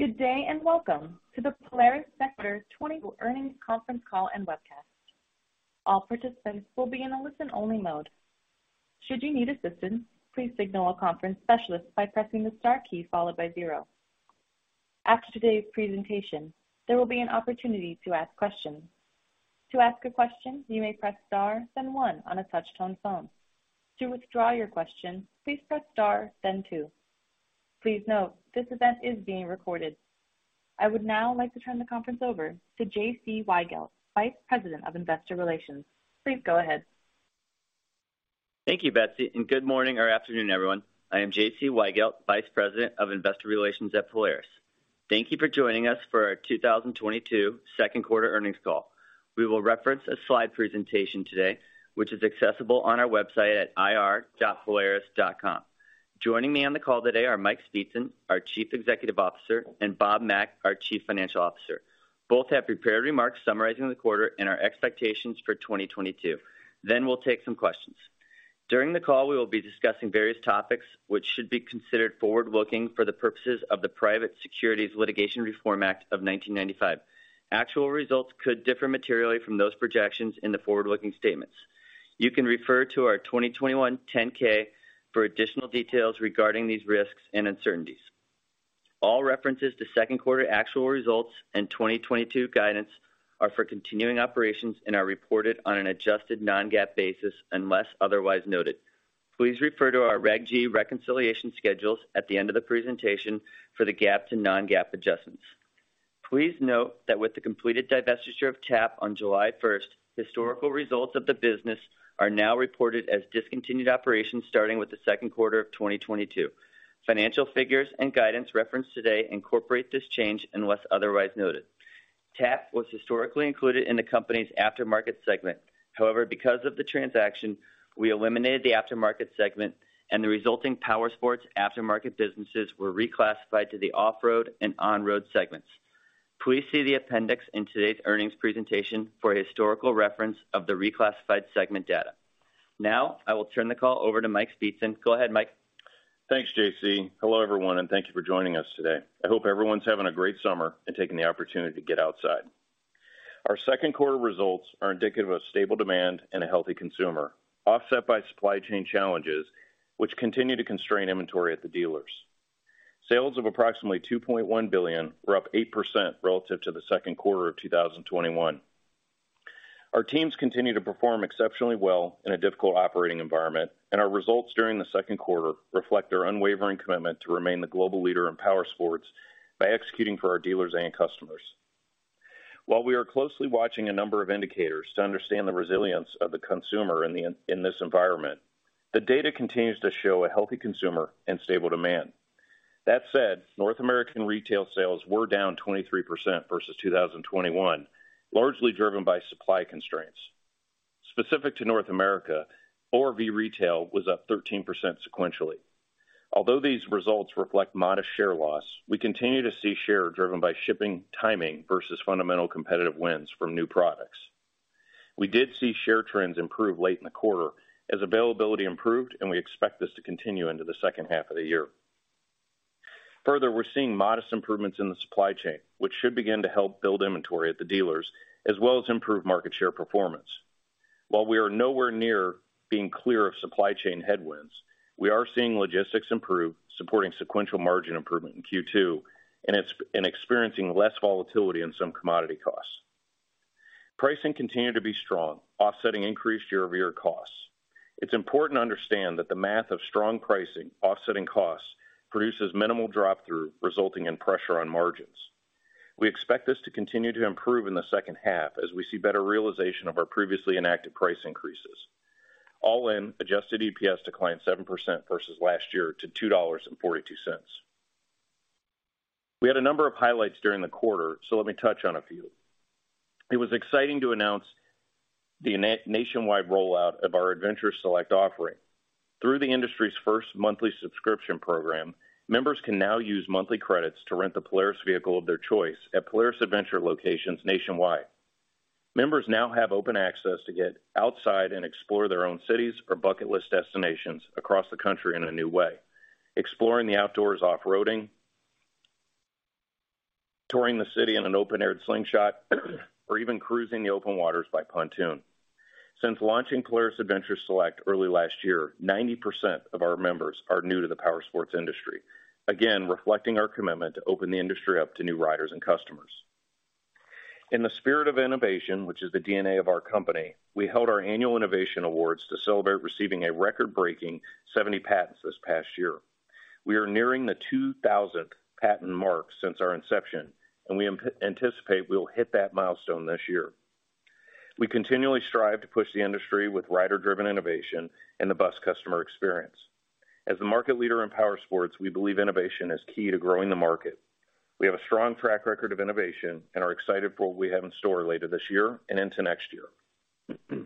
Good day, and welcome to the Polaris second quarter 2022 earnings conference call and webcast. All participants will be in a listen-only mode. Should you need assistance, please signal a conference specialist by pressing the star key followed by zero. After today's presentation, there will be an opportunity to ask questions. To ask a question, you may press star then one on a touch-tone phone. To withdraw your question, please press star then two. Please note, this event is being recorded. I would now like to turn the conference over to J.C. Weigelt, Vice President of Investor Relations. Please go ahead. Thank you, Betsy, and good morning or afternoon, everyone. I am J.C. Weigelt, Vice President of Investor Relations at Polaris. Thank you for joining us for our 2022 second quarter earnings call. We will reference a slide presentation today, which is accessible on our website at ir.polaris.com. Joining me on the call today are Mike Speetzen, our Chief Executive Officer, and Bob Mack, our Chief Financial Officer. Both have prepared remarks summarizing the quarter and our expectations for 2022. We'll take some questions. During the call, we will be discussing various topics which should be considered forward-looking for the purposes of the Private Securities Litigation Reform Act of 1995. Actual results could differ materially from those projections in the forward-looking statements. You can refer to our 2021 10-K for additional details regarding these risks and uncertainties. All references to second quarter actual results and 2022 guidance are for continuing operations and are reported on an adjusted non-GAAP basis unless otherwise noted. Please refer to our Reg. G reconciliation schedules at the end of the presentation for the GAAP to non-GAAP adjustments. Please note that with the completed divestiture of TAP on July 1st, historical results of the business are now reported as discontinued operations starting with the second quarter of 2022. Financial figures and guidance referenced today incorporate this change unless otherwise noted. TAP was historically included in the company's aftermarket segment. However, because of the transaction, we eliminated the aftermarket segment and the resulting powersports aftermarket businesses were reclassified to the Off-Road and On-Road segments. Please see the appendix in today's earnings presentation for a historical reference of the reclassified segment data. Now I will turn the call over to Mike Speetzen. Go ahead, Mike. Thanks, J.C. Hello, everyone, and thank you for joining us today. I hope everyone's having a great summer and taking the opportunity to get outside. Our second quarter results are indicative of stable demand and a healthy consumer, offset by supply chain challenges which continue to constrain inventory at the dealers. Sales of approximately $2.1 billion were up 8% relative to the second quarter of 2021. Our teams continue to perform exceptionally well in a difficult operating environment, and our results during the second quarter reflect our unwavering commitment to remain the global leader in powersports by executing for our dealers and customers. While we are closely watching a number of indicators to understand the resilience of the consumer in this environment, the data continues to show a healthy consumer and stable demand. That said, North American retail sales were down 23% versus 2021, largely driven by supply constraints. Specific to North America, ORV retail was up 13% sequentially. Although these results reflect modest share loss, we continue to see share driven by shipping timing versus fundamental competitive wins from new products. We did see share trends improve late in the quarter as availability improved, and we expect this to continue into the second half of the year. Further, we're seeing modest improvements in the supply chain, which should begin to help build inventory at the dealers as well as improve market share performance. While we are nowhere near being clear of supply chain headwinds, we are seeing logistics improve, supporting sequential margin improvement in Q2 and experiencing less volatility in some commodity costs. Pricing continued to be strong, offsetting increased year-over-year costs. It's important to understand that the math of strong pricing offsetting costs produces minimal drop through resulting in pressure on margins. We expect this to continue to improve in the second half as we see better realization of our previously enacted price increases. All in, adjusted EPS declined 7% versus last year to $2.42. We had a number of highlights during the quarter, so let me touch on a few. It was exciting to announce the nationwide rollout of our Adventures Select offering. Through the industry's first monthly subscription program, members can now use monthly credits to rent the Polaris vehicle of their choice at Polaris Adventures locations nationwide. Members now have open access to get outside and explore their own cities or bucket list destinations across the country in a new way, exploring the outdoors off-roading, touring the city in an open-air Slingshot, or even cruising the open waters by pontoon. Since launching Polaris Adventures Select early last year, 90% of our members are new to the powersports industry, again, reflecting our commitment to open the industry up to new riders and customers. In the spirit of innovation, which is the DNA of our company, we held our annual Innovation Awards to celebrate receiving a record-breaking 70 patents this past year. We are nearing the 2,000th patent mark since our inception, and we anticipate we'll hit that milestone this year. We continually strive to push the industry with rider-driven innovation and the best customer experience. As the market leader in powersports, we believe innovation is key to growing the market. We have a strong track record of innovation and are excited for what we have in store later this year and into next year.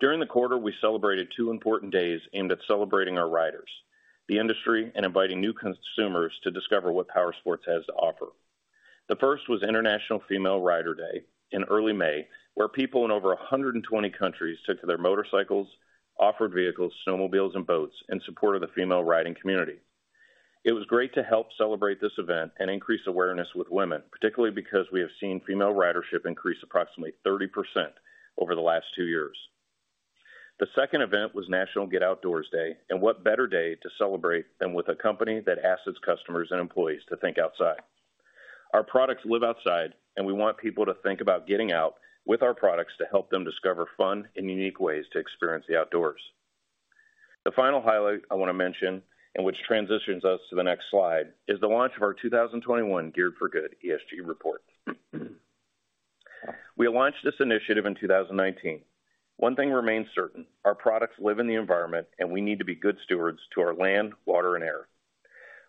During the quarter, we celebrated two important days aimed at celebrating our riders, the industry, and inviting new consumers to discover what powersports has to offer. The first was International Female Ride Day in early May, where people in over 120 countries took to their motorcycles, off-road vehicles, snowmobiles, and boats in support of the female riding community. It was great to help celebrate this event and increase awareness with women, particularly because we have seen female ridership increase approximately 30% over the last two years. The second event was National Get Outdoors Day, and what better day to celebrate than with a company that asks its customers and employees to THINK OUTSIDE? Our products live outside, and we want people to think about getting out with our products to help them discover fun and unique ways to experience the outdoors. The final highlight I wanna mention, and which transitions us to the next slide, is the launch of our 2021 Geared for Good ESG report. We launched this initiative in 2019. One thing remains certain: our products live in the environment, and we need to be good stewards to our land, water, and air.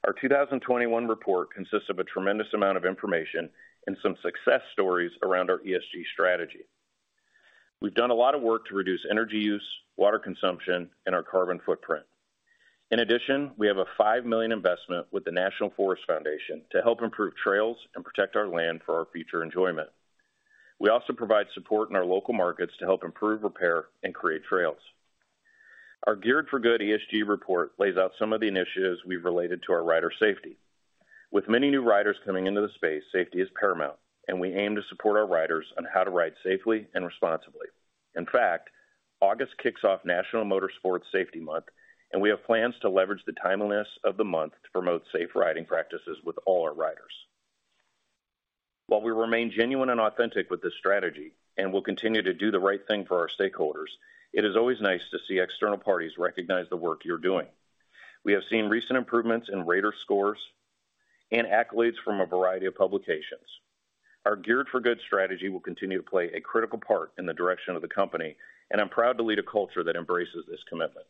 Our 2021 report consists of a tremendous amount of information and some success stories around our ESG strategy. We've done a lot of work to reduce energy use, water consumption, and our carbon footprint. In addition, we have a $5 million investment with the National Forest Foundation to help improve trails and protect our land for our future enjoyment. We also provide support in our local markets to help improve, repair, and create trails. Our Geared for Good ESG report lays out some of the initiatives we've related to our rider safety. With many new riders coming into the space, safety is paramount, and we aim to support our riders on how to ride safely and responsibly. In fact, August kicks off National Motorsports Safety Month, and we have plans to leverage the timeliness of the month to promote safe riding practices with all our riders. While we remain genuine and authentic with this strategy and will continue to do the right thing for our stakeholders, it is always nice to see external parties recognize the work you're doing. We have seen recent improvements in rater scores and accolades from a variety of publications. Our Geared for Good strategy will continue to play a critical part in the direction of the company, and I'm proud to lead a culture that embraces this commitment.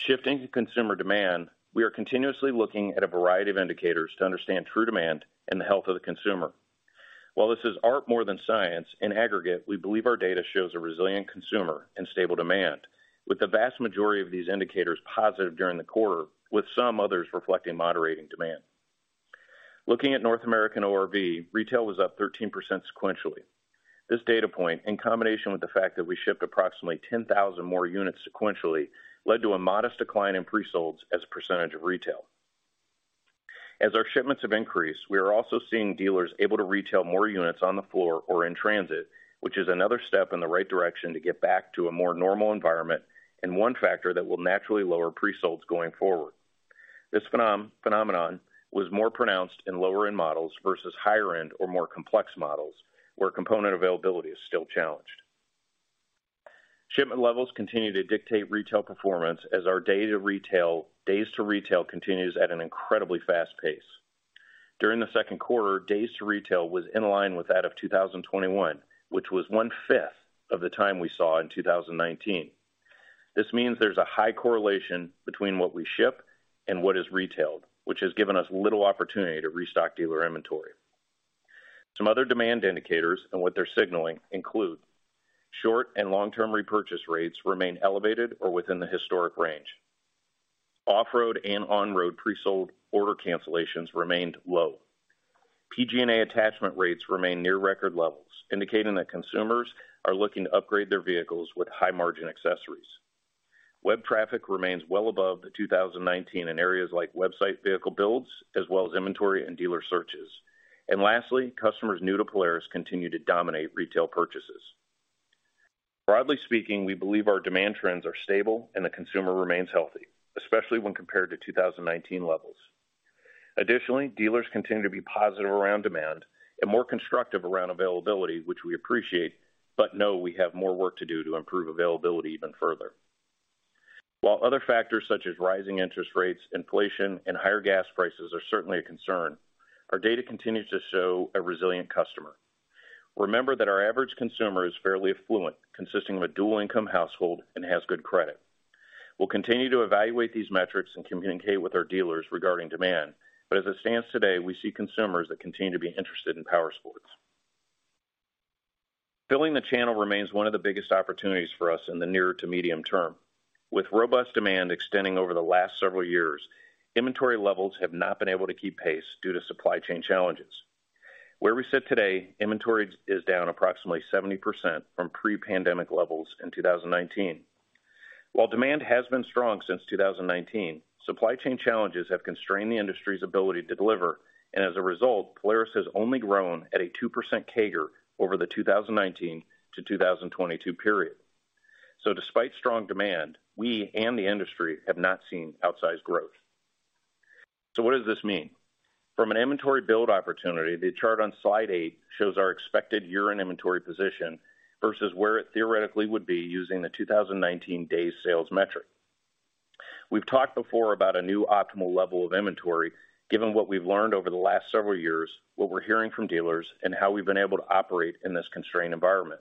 Shifting to consumer demand, we are continuously looking at a variety of indicators to understand true demand and the health of the consumer. While this is art more than science, in aggregate, we believe our data shows a resilient consumer and stable demand, with the vast majority of these indicators positive during the quarter, with some others reflecting moderating demand. Looking at North American ORV, retail was up 13% sequentially. This data point, in combination with the fact that we shipped approximately 10,000 more units sequentially, led to a modest decline in pre-solds as a percentage of retail. As our shipments have increased, we are also seeing dealers able to retail more units on the floor or in transit, which is another step in the right direction to get back to a more normal environment and one factor that will naturally lower pre-solds going forward. This phenomenon was more pronounced in lower-end models versus higher-end or more complex models, where component availability is still challenged. Shipment levels continue to dictate retail performance as our data retail days to retail continues at an incredibly fast pace. During the second quarter, days to retail was in line with that of 2021, which was 1/5 of the time we saw in 2019. This means there's a high correlation between what we ship and what is retailed, which has given us little opportunity to restock dealer inventory. Some other demand indicators and what they're signaling include short- and long-term repurchase rates remain elevated or within the historic range. Off-Road and On-Road pre-sold order cancellations remained low. PG&A attachment rates remain near record levels, indicating that consumers are looking to upgrade their vehicles with high-margin accessories. Web traffic remains well above 2019 in areas like website vehicle builds, as well as inventory and dealer searches. Lastly, customers new to Polaris continue to dominate retail purchases. Broadly speaking, we believe our demand trends are stable and the consumer remains healthy, especially when compared to 2019 levels. Additionally, dealers continue to be positive around demand and more constructive around availability, which we appreciate, but we know we have more work to do to improve availability even further. While other factors such as rising interest rates, inflation, and higher gas prices are certainly a concern, our data continues to show a resilient customer. Remember that our average consumer is fairly affluent, consisting of a dual income household and has good credit. We'll continue to evaluate these metrics and communicate with our dealers regarding demand. As it stands today, we see consumers that continue to be interested in powersports. Filling the channel remains one of the biggest opportunities for us in the near to medium term. With robust demand extending over the last several years, inventory levels have not been able to keep pace due to supply chain challenges. Where we sit today, inventory is down approximately 70% from pre-pandemic levels in 2019. While demand has been strong since 2019, supply chain challenges have constrained the industry's ability to deliver, and as a result, Polaris has only grown at a 2% CAGR over the 2019-2022 period. Despite strong demand, we and the industry have not seen outsized growth. What does this mean? From an inventory build opportunity, the chart on slide eight shows our expected year-end inventory position versus where it theoretically would be using the 2019 days sales metric. We've talked before about a new optimal level of inventory, given what we've learned over the last several years, what we're hearing from dealers, and how we've been able to operate in this constrained environment.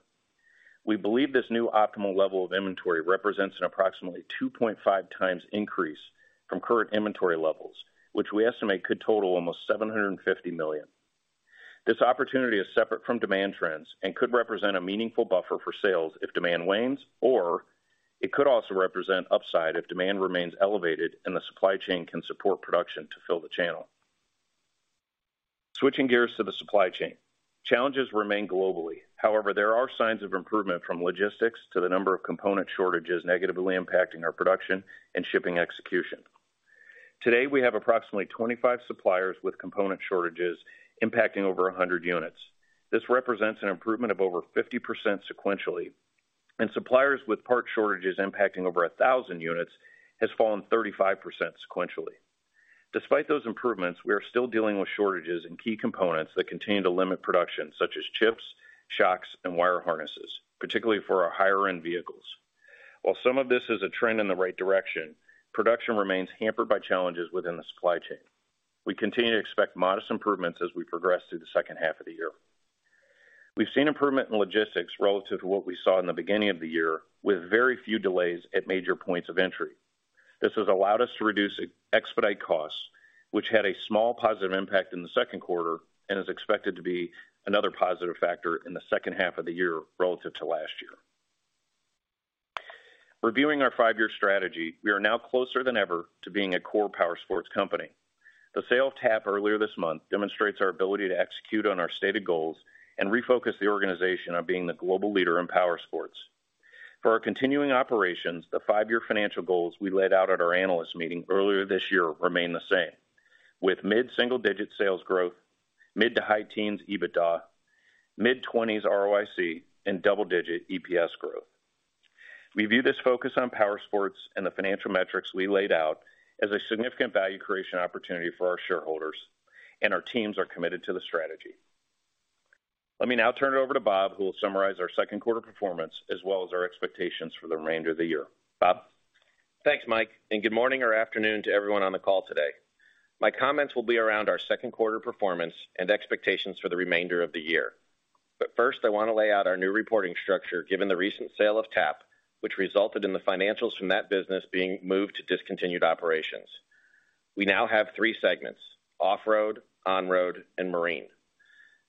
We believe this new optimal level of inventory represents an approximately 2.5x increase from current inventory levels, which we estimate could total almost $750 million. This opportunity is separate from demand trends and could represent a meaningful buffer for sales if demand wanes, or it could also represent upside if demand remains elevated and the supply chain can support production to fill the channel. Switching gears to the supply chain. Challenges remain globally. However, there are signs of improvement from logistics to the number of component shortages negatively impacting our production and shipping execution. Today, we have approximately 25 suppliers with component shortages impacting over 100 units. This represents an improvement of over 50% sequentially, and suppliers with part shortages impacting over 1,000 units has fallen 35% sequentially. Despite those improvements, we are still dealing with shortages in key components that continue to limit production, such as chips, shocks, and wire harnesses, particularly for our higher-end vehicles. While some of this is a trend in the right direction, production remains hampered by challenges within the supply chain. We continue to expect modest improvements as we progress through the second half of the year. We've seen improvement in logistics relative to what we saw in the beginning of the year, with very few delays at major points of entry. This has allowed us to reduce expedite costs, which had a small positive impact in the second quarter and is expected to be another positive factor in the second half of the year relative to last year. Reviewing our five-year strategy, we are now closer than ever to being a core powersports company. The sale of TAP earlier this month demonstrates our ability to execute on our stated goals and refocus the organization on being the global leader in powersports. For our continuing operations, the five-year financial goals we laid out at our analyst meeting earlier this year remain the same, with mid-single-digit sales growth, mid to high teens EBITDA, mid-20s ROIC, and double-digit EPS growth. We view this focus on powersports and the financial metrics we laid out as a significant value creation opportunity for our shareholders, and our teams are committed to the strategy. Let me now turn it over to Bob, who will summarize our second quarter performance as well as our expectations for the remainder of the year. Bob? Thanks, Mike, and good morning or afternoon to everyone on the call today. My comments will be around our second quarter performance and expectations for the remainder of the year. First, I want to lay out our new reporting structure, given the recent sale of TAP, which resulted in the financials from that business being moved to discontinued operations. We now have three segments: Off-Road, On-Road, and Marine.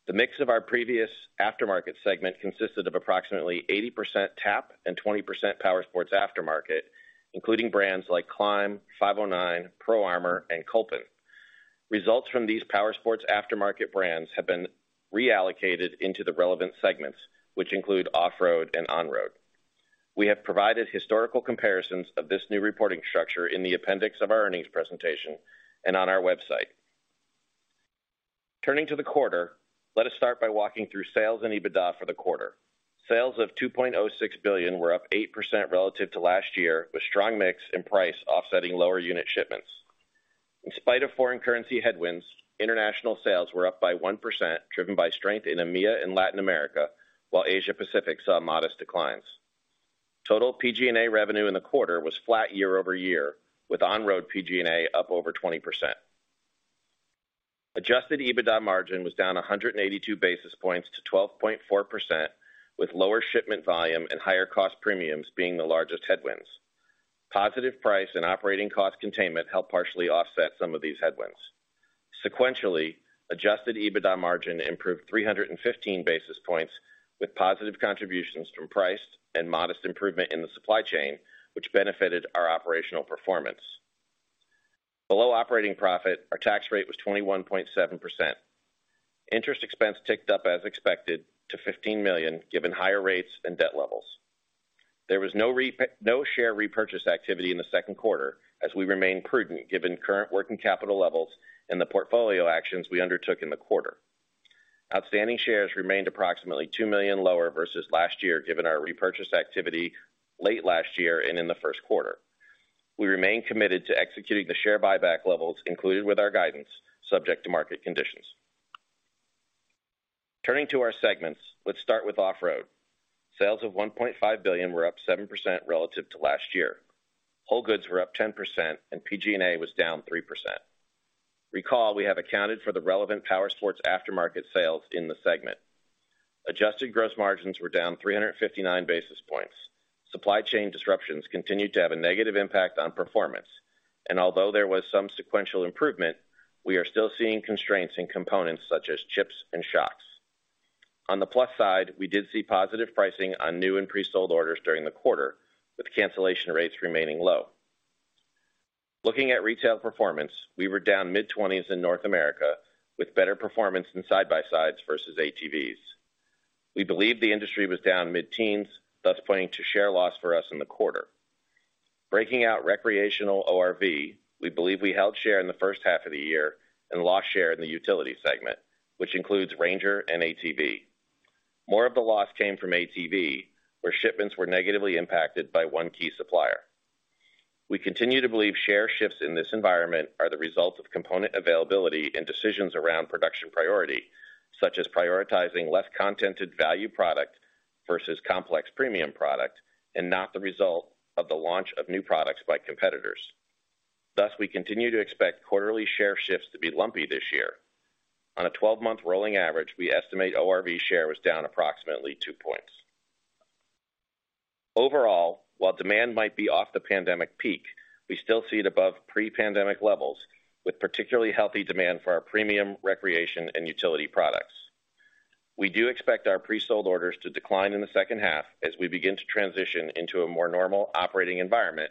The mix of our previous aftermarket segment consisted of approximately 80% TAP and 20% powersports aftermarket, including brands like Klim, 509, Pro Armor, and Kolpin. Results from these powersports aftermarket brands have been reallocated into the relevant segments, which include Off-Road and On-Road. We have provided historical comparisons of this new reporting structure in the appendix of our earnings presentation and on our website. Turning to the quarter, let us start by walking through sales and EBITDA for the quarter. Sales of $2.06 billion were up 8% relative to last year, with strong mix and price offsetting lower unit shipments. In spite of foreign currency headwinds, international sales were up by 1%, driven by strength in EMEA and Latin America, while Asia-Pacific saw modest declines. Total PG&A revenue in the quarter was flat year-over-year, with On-Road PG&A up over 20%. Adjusted EBITDA margin was down 182 basis points to 12.4%, with lower shipment volume and higher cost premiums being the largest headwinds. Positive price and operating cost containment helped partially offset some of these headwinds. Sequentially, adjusted EBITDA margin improved 315 basis points, with positive contributions from price and modest improvement in the supply chain, which benefited our operational performance. Below operating profit, our tax rate was 21.7%. Interest expense ticked up as expected to $15 million, given higher rates and debt levels. There was no share repurchase activity in the second quarter as we remain prudent, given current working capital levels and the portfolio actions we undertook in the quarter. Outstanding shares remained approximately 2 million lower versus last year, given our repurchase activity late last year and in the first quarter. We remain committed to executing the share buyback levels included with our guidance subject to market conditions. Turning to our segments. Let's start with Off-Road. Sales of $1.5 billion were up 7% relative to last year. Whole goods were up 10% and PG&A was down 3%. Recall, we have accounted for the relevant powersports aftermarket sales in the segment. Adjusted gross margins were down 359 basis points. Supply chain disruptions continued to have a negative impact on performance, and although there was some sequential improvement, we are still seeing constraints in components such as chips and shocks. On the plus side, we did see positive pricing on new and pre-sold orders during the quarter, with cancellation rates remaining low. Looking at retail performance, we were down mid-20s in North America, with better performance in side-by-sides versus ATVs. We believe the industry was down mid-teens, thus pointing to share loss for us in the quarter. Breaking out recreational ORV, we believe we held share in the first half of the year and lost share in the utility segment, which includes Ranger and ATV. More of the loss came from ATV, where shipments were negatively impacted by one key supplier. We continue to believe share shifts in this environment are the results of component availability and decisions around production priority, such as prioritizing less content value product versus complex premium product and not the result of the launch of new products by competitors. Thus, we continue to expect quarterly share shifts to be lumpy this year. On a 12-month rolling average, we estimate ORV share was down approximately two points. Overall, while demand might be off the pandemic peak, we still see it above pre-pandemic levels, with particularly healthy demand for our premium recreation and utility products. We do expect our pre-sold orders to decline in the second half as we begin to transition into a more normal operating environment,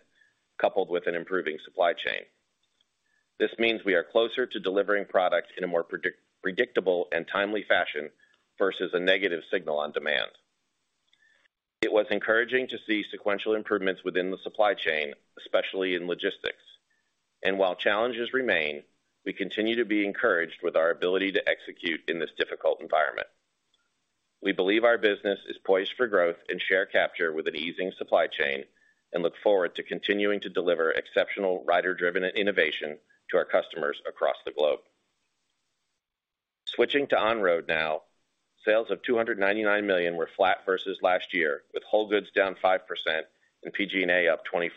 coupled with an improving supply chain. This means we are closer to delivering products in a more predictable and timely fashion versus a negative signal on demand. It was encouraging to see sequential improvements within the supply chain, especially in logistics. While challenges remain, we continue to be encouraged with our ability to execute in this difficult environment. We believe our business is poised for growth and share capture with an easing supply chain and look forward to continuing to deliver exceptional rider-driven innovation to our customers across the globe. Switching to On-Road now. Sales of $299 million were flat versus last year, with whole goods down 5% and PG&A up 24%.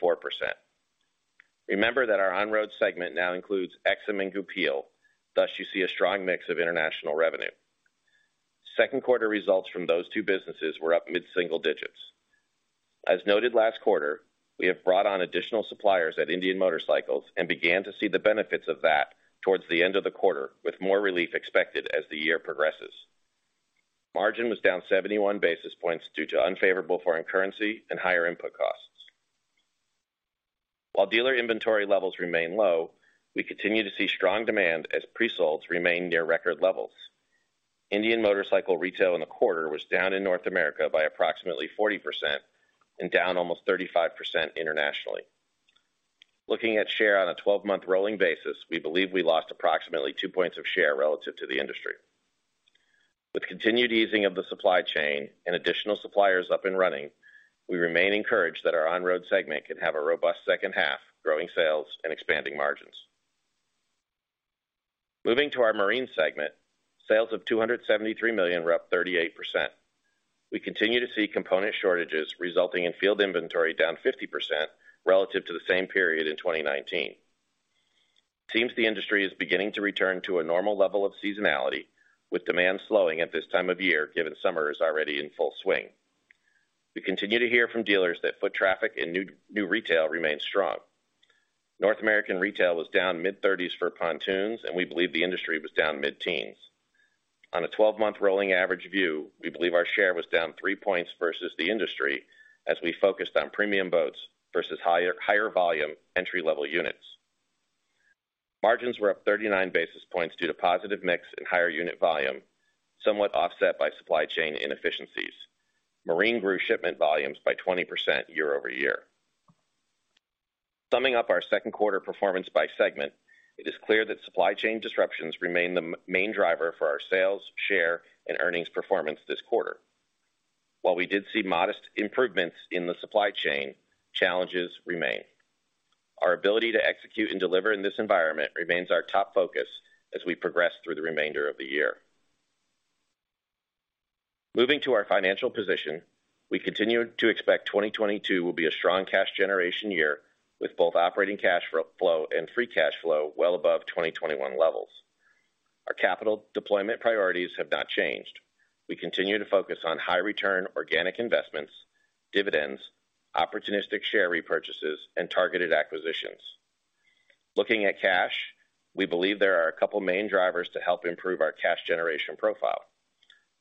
Remember that our On-Road segment now includes Aixam and Goupil, thus you see a strong mix of international revenue. Second quarter results from those two businesses were up mid-single digits. As noted last quarter, we have brought on additional suppliers at Indian Motorcycle and began to see the benefits of that towards the end of the quarter, with more relief expected as the year progresses. Margin was down 71 basis points due to unfavorable foreign currency and higher input costs. While dealer inventory levels remain low, we continue to see strong demand as pre-solds remain near record levels. Indian Motorcycle retail in the quarter was down in North America by approximately 40% and down almost 35% internationally. Looking at share on a 12-month rolling basis, we believe we lost approximately two points of share relative to the industry. With continued easing of the supply chain and additional suppliers up and running, we remain encouraged that our On-Road segment can have a robust second half, growing sales and expanding margins. Moving to our Marine segment, sales of $273 million were up 38%. We continue to see component shortages resulting in field inventory down 50% relative to the same period in 2019. Seems the industry is beginning to return to a normal level of seasonality, with demand slowing at this time of year, given summer is already in full swing. We continue to hear from dealers that foot traffic and new retail remains strong. North American retail was down mid-30s for pontoons, and we believe the industry was down mid-teens. On a 12-month rolling average view, we believe our share was down three points versus the industry as we focused on premium boats versus higher volume entry-level units. Margins were up 39 basis points due to positive mix and higher unit volume, somewhat offset by supply chain inefficiencies. Marine grew shipment volumes by 20% year-over-year. Summing up our second quarter performance by segment, it is clear that supply chain disruptions remain the main driver for our sales, share, and earnings performance this quarter. While we did see modest improvements in the supply chain, challenges remain. Our ability to execute and deliver in this environment remains our top focus as we progress through the remainder of the year. Moving to our financial position, we continue to expect 2022 will be a strong cash generation year, with both operating cash flow and free cash flow well above 2021 levels. Our capital deployment priorities have not changed. We continue to focus on high return organic investments, dividends, opportunistic share repurchases, and targeted acquisitions. Looking at cash, we believe there are a couple main drivers to help improve our cash generation profile.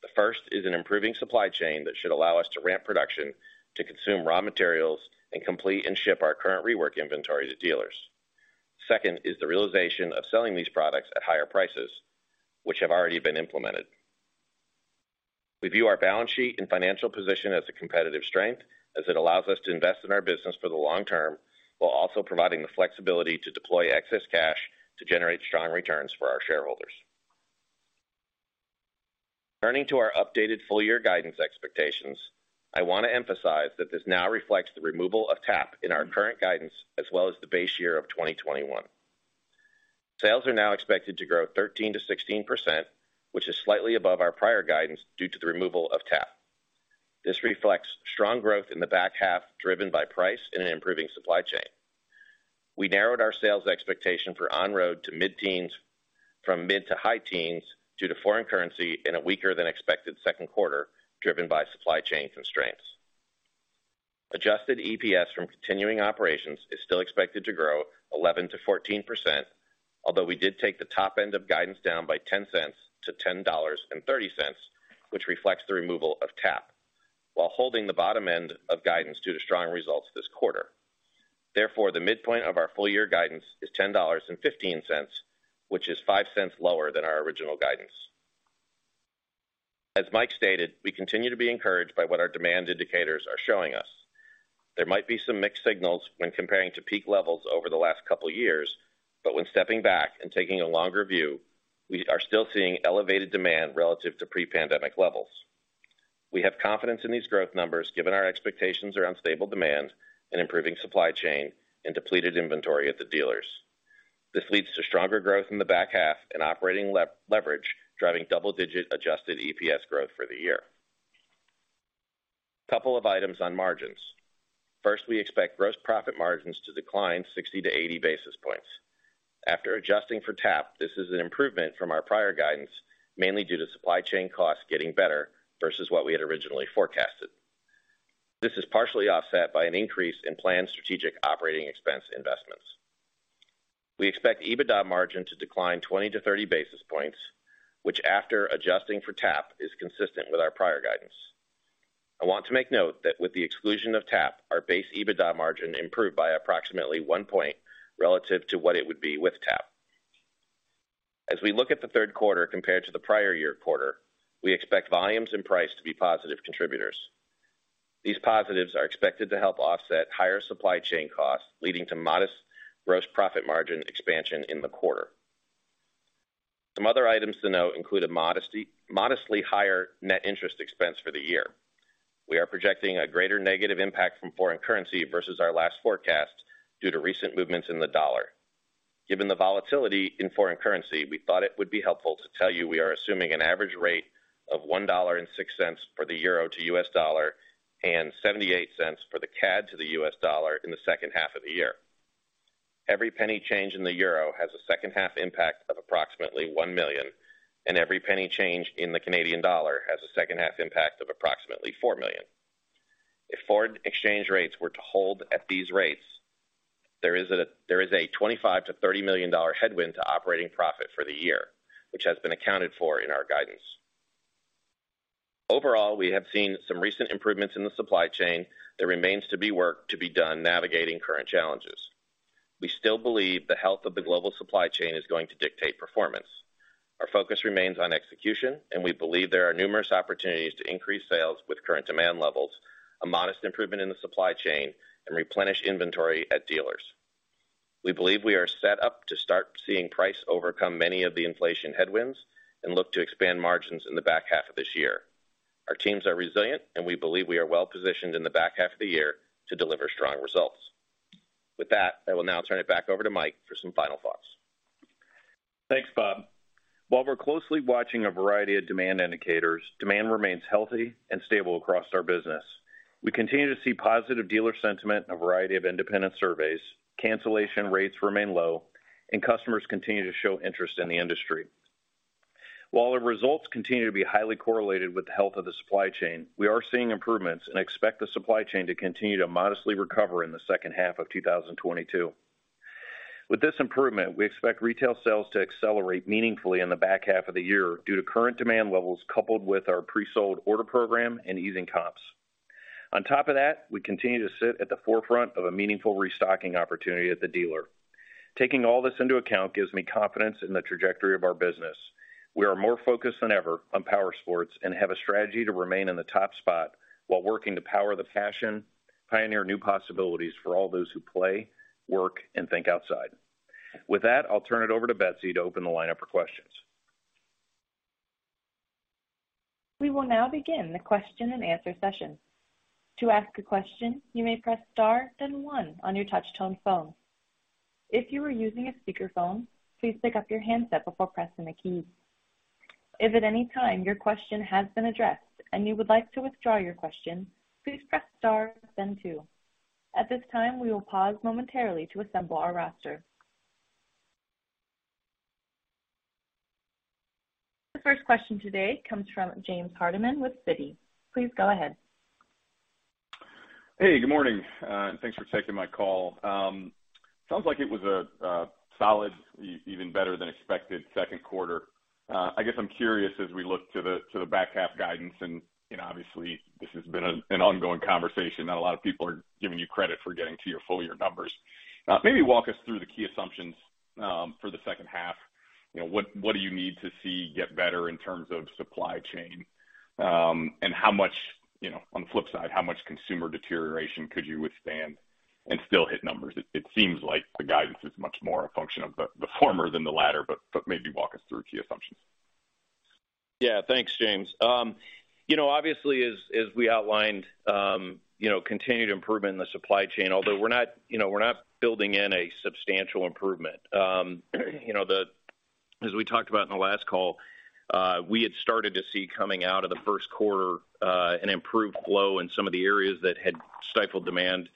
The first is an improving supply chain that should allow us to ramp production to consume raw materials and complete and ship our current rework inventory to dealers. Second is the realization of selling these products at higher prices, which have already been implemented. We view our balance sheet and financial position as a competitive strength as it allows us to invest in our business for the long term, while also providing the flexibility to deploy excess cash to generate strong returns for our shareholders. Turning to our updated full year guidance expectations, I wanna emphasize that this now reflects the removal of TAP in our current guidance as well as the base year of 2021. Sales are now expected to grow 13%-16%, which is slightly above our prior guidance due to the removal of TAP. This reflects strong growth in the back half, driven by price and an improving supply chain. We narrowed our sales expectation for On-Road to mid-teens from mid- to high teens due to foreign currency in a weaker than expected second quarter, driven by supply chain constraints. Adjusted EPS from continuing operations is still expected to grow 11%-14%, although we did take the top end of guidance down by $0.10 to $10.30, which reflects the removal of TAP, while holding the bottom end of guidance due to strong results this quarter. Therefore, the midpoint of our full year guidance is $10.15, which is $0.05 lower than our original guidance. As Mike stated, we continue to be encouraged by what our demand indicators are showing us. There might be some mixed signals when comparing to peak levels over the last couple years, but when stepping back and taking a longer view, we are still seeing elevated demand relative to pre-pandemic levels. We have confidence in these growth numbers given our expectations around stable demand and improving supply chain and depleted inventory at the dealers. This leads to stronger growth in the back half and operating leverage, driving double-digit adjusted EPS growth for the year. Couple of items on margins. First, we expect gross profit margins to decline 60-80 basis points. After adjusting for TAP, this is an improvement from our prior guidance, mainly due to supply chain costs getting better versus what we had originally forecasted. This is partially offset by an increase in planned strategic operating expense investments. We expect EBITDA margin to decline 20-30 basis points, which after adjusting for TAP, is consistent with our prior guidance. I want to make note that with the exclusion of TAP, our base EBITDA margin improved by approximately one point relative to what it would be with TAP. As we look at the third quarter compared to the prior year quarter, we expect volumes and price to be positive contributors. These positives are expected to help offset higher supply chain costs, leading to modest gross profit margin expansion in the quarter. Some other items to note include a modestly higher net interest expense for the year. We are projecting a greater negative impact from foreign currency versus our last forecast due to recent movements in the dollar. Given the volatility in foreign currency, we thought it would be helpful to tell you we are assuming an average rate of $1.06 for the euro to U.S. dollar and $0.78 for the CAD to the U.S. dollar in the second half of the year. Every penny change in the euro has a second half impact of approximately $1 million, and every penny change in the Canadian dollar has a second half impact of approximately $4 million. If foreign exchange rates were to hold at these rates, there is a $25 million-$30 million headwind to operating profit for the year, which has been accounted for in our guidance. Overall, we have seen some recent improvements in the supply chain. There remains to be work to be done navigating current challenges. We still believe the health of the global supply chain is going to dictate performance. Our focus remains on execution, and we believe there are numerous opportunities to increase sales with current demand levels, a modest improvement in the supply chain and replenish inventory at dealers. We believe we are set up to start seeing price overcome many of the inflation headwinds and look to expand margins in the back half of this year. Our teams are resilient, and we believe we are well-positioned in the back half of the year to deliver strong results. With that, I will now turn it back over to Mike for some final thoughts. Thanks, Bob. While we're closely watching a variety of demand indicators, demand remains healthy and stable across our business. We continue to see positive dealer sentiment in a variety of independent surveys. Cancellation rates remain low, and customers continue to show interest in the industry. While the results continue to be highly correlated with the health of the supply chain, we are seeing improvements and expect the supply chain to continue to modestly recover in the second half of 2022. With this improvement, we expect retail sales to accelerate meaningfully in the back half of the year due to current demand levels, coupled with our pre-sold order program and easing comps. On top of that, we continue to sit at the forefront of a meaningful restocking opportunity at the dealer. Taking all this into account gives me confidence in the trajectory of our business. We are more focused than ever on powersports and have a strategy to remain in the top spot while working to power the passion, pioneer new possibilities for all those who play, work, and THINK OUTSIDE. With that, I'll turn it over to Betsy to open the line up for questions. We will now begin the question-and-answer session. To ask a question, you may press star, then one on your touch-tone phone. If you are using a speakerphone, please pick up your handset before pressing a key. If at any time your question has been addressed and you would like to withdraw your question, please press star then two. At this time, we will pause momentarily to assemble our roster. The first question today comes from James Hardiman with Citi. Please go ahead. Hey, good morning, and thanks for taking my call. Sounds like it was a solid even better than expected second quarter. I guess I'm curious, as we look to the back half guidance, you know, obviously this has been an ongoing conversation, not a lot of people are giving you credit for getting to your full year numbers. Maybe walk us through the key assumptions for the second half. You know, what do you need to see get better in terms of supply chain? And how much, you know, on the flip side, how much consumer deterioration could you withstand and still hit numbers? It seems like the guidance is much more a function of the former than the latter, maybe walk us through key assumptions. Yeah, thanks, James. You know, obviously, as we outlined, you know, continued improvement in the supply chain, although we're not, you know, we're not building in a substantial improvement. You know, as we talked about in the last call, we had started to see coming out of the first quarter an improved flow in some of the areas that had stifled demand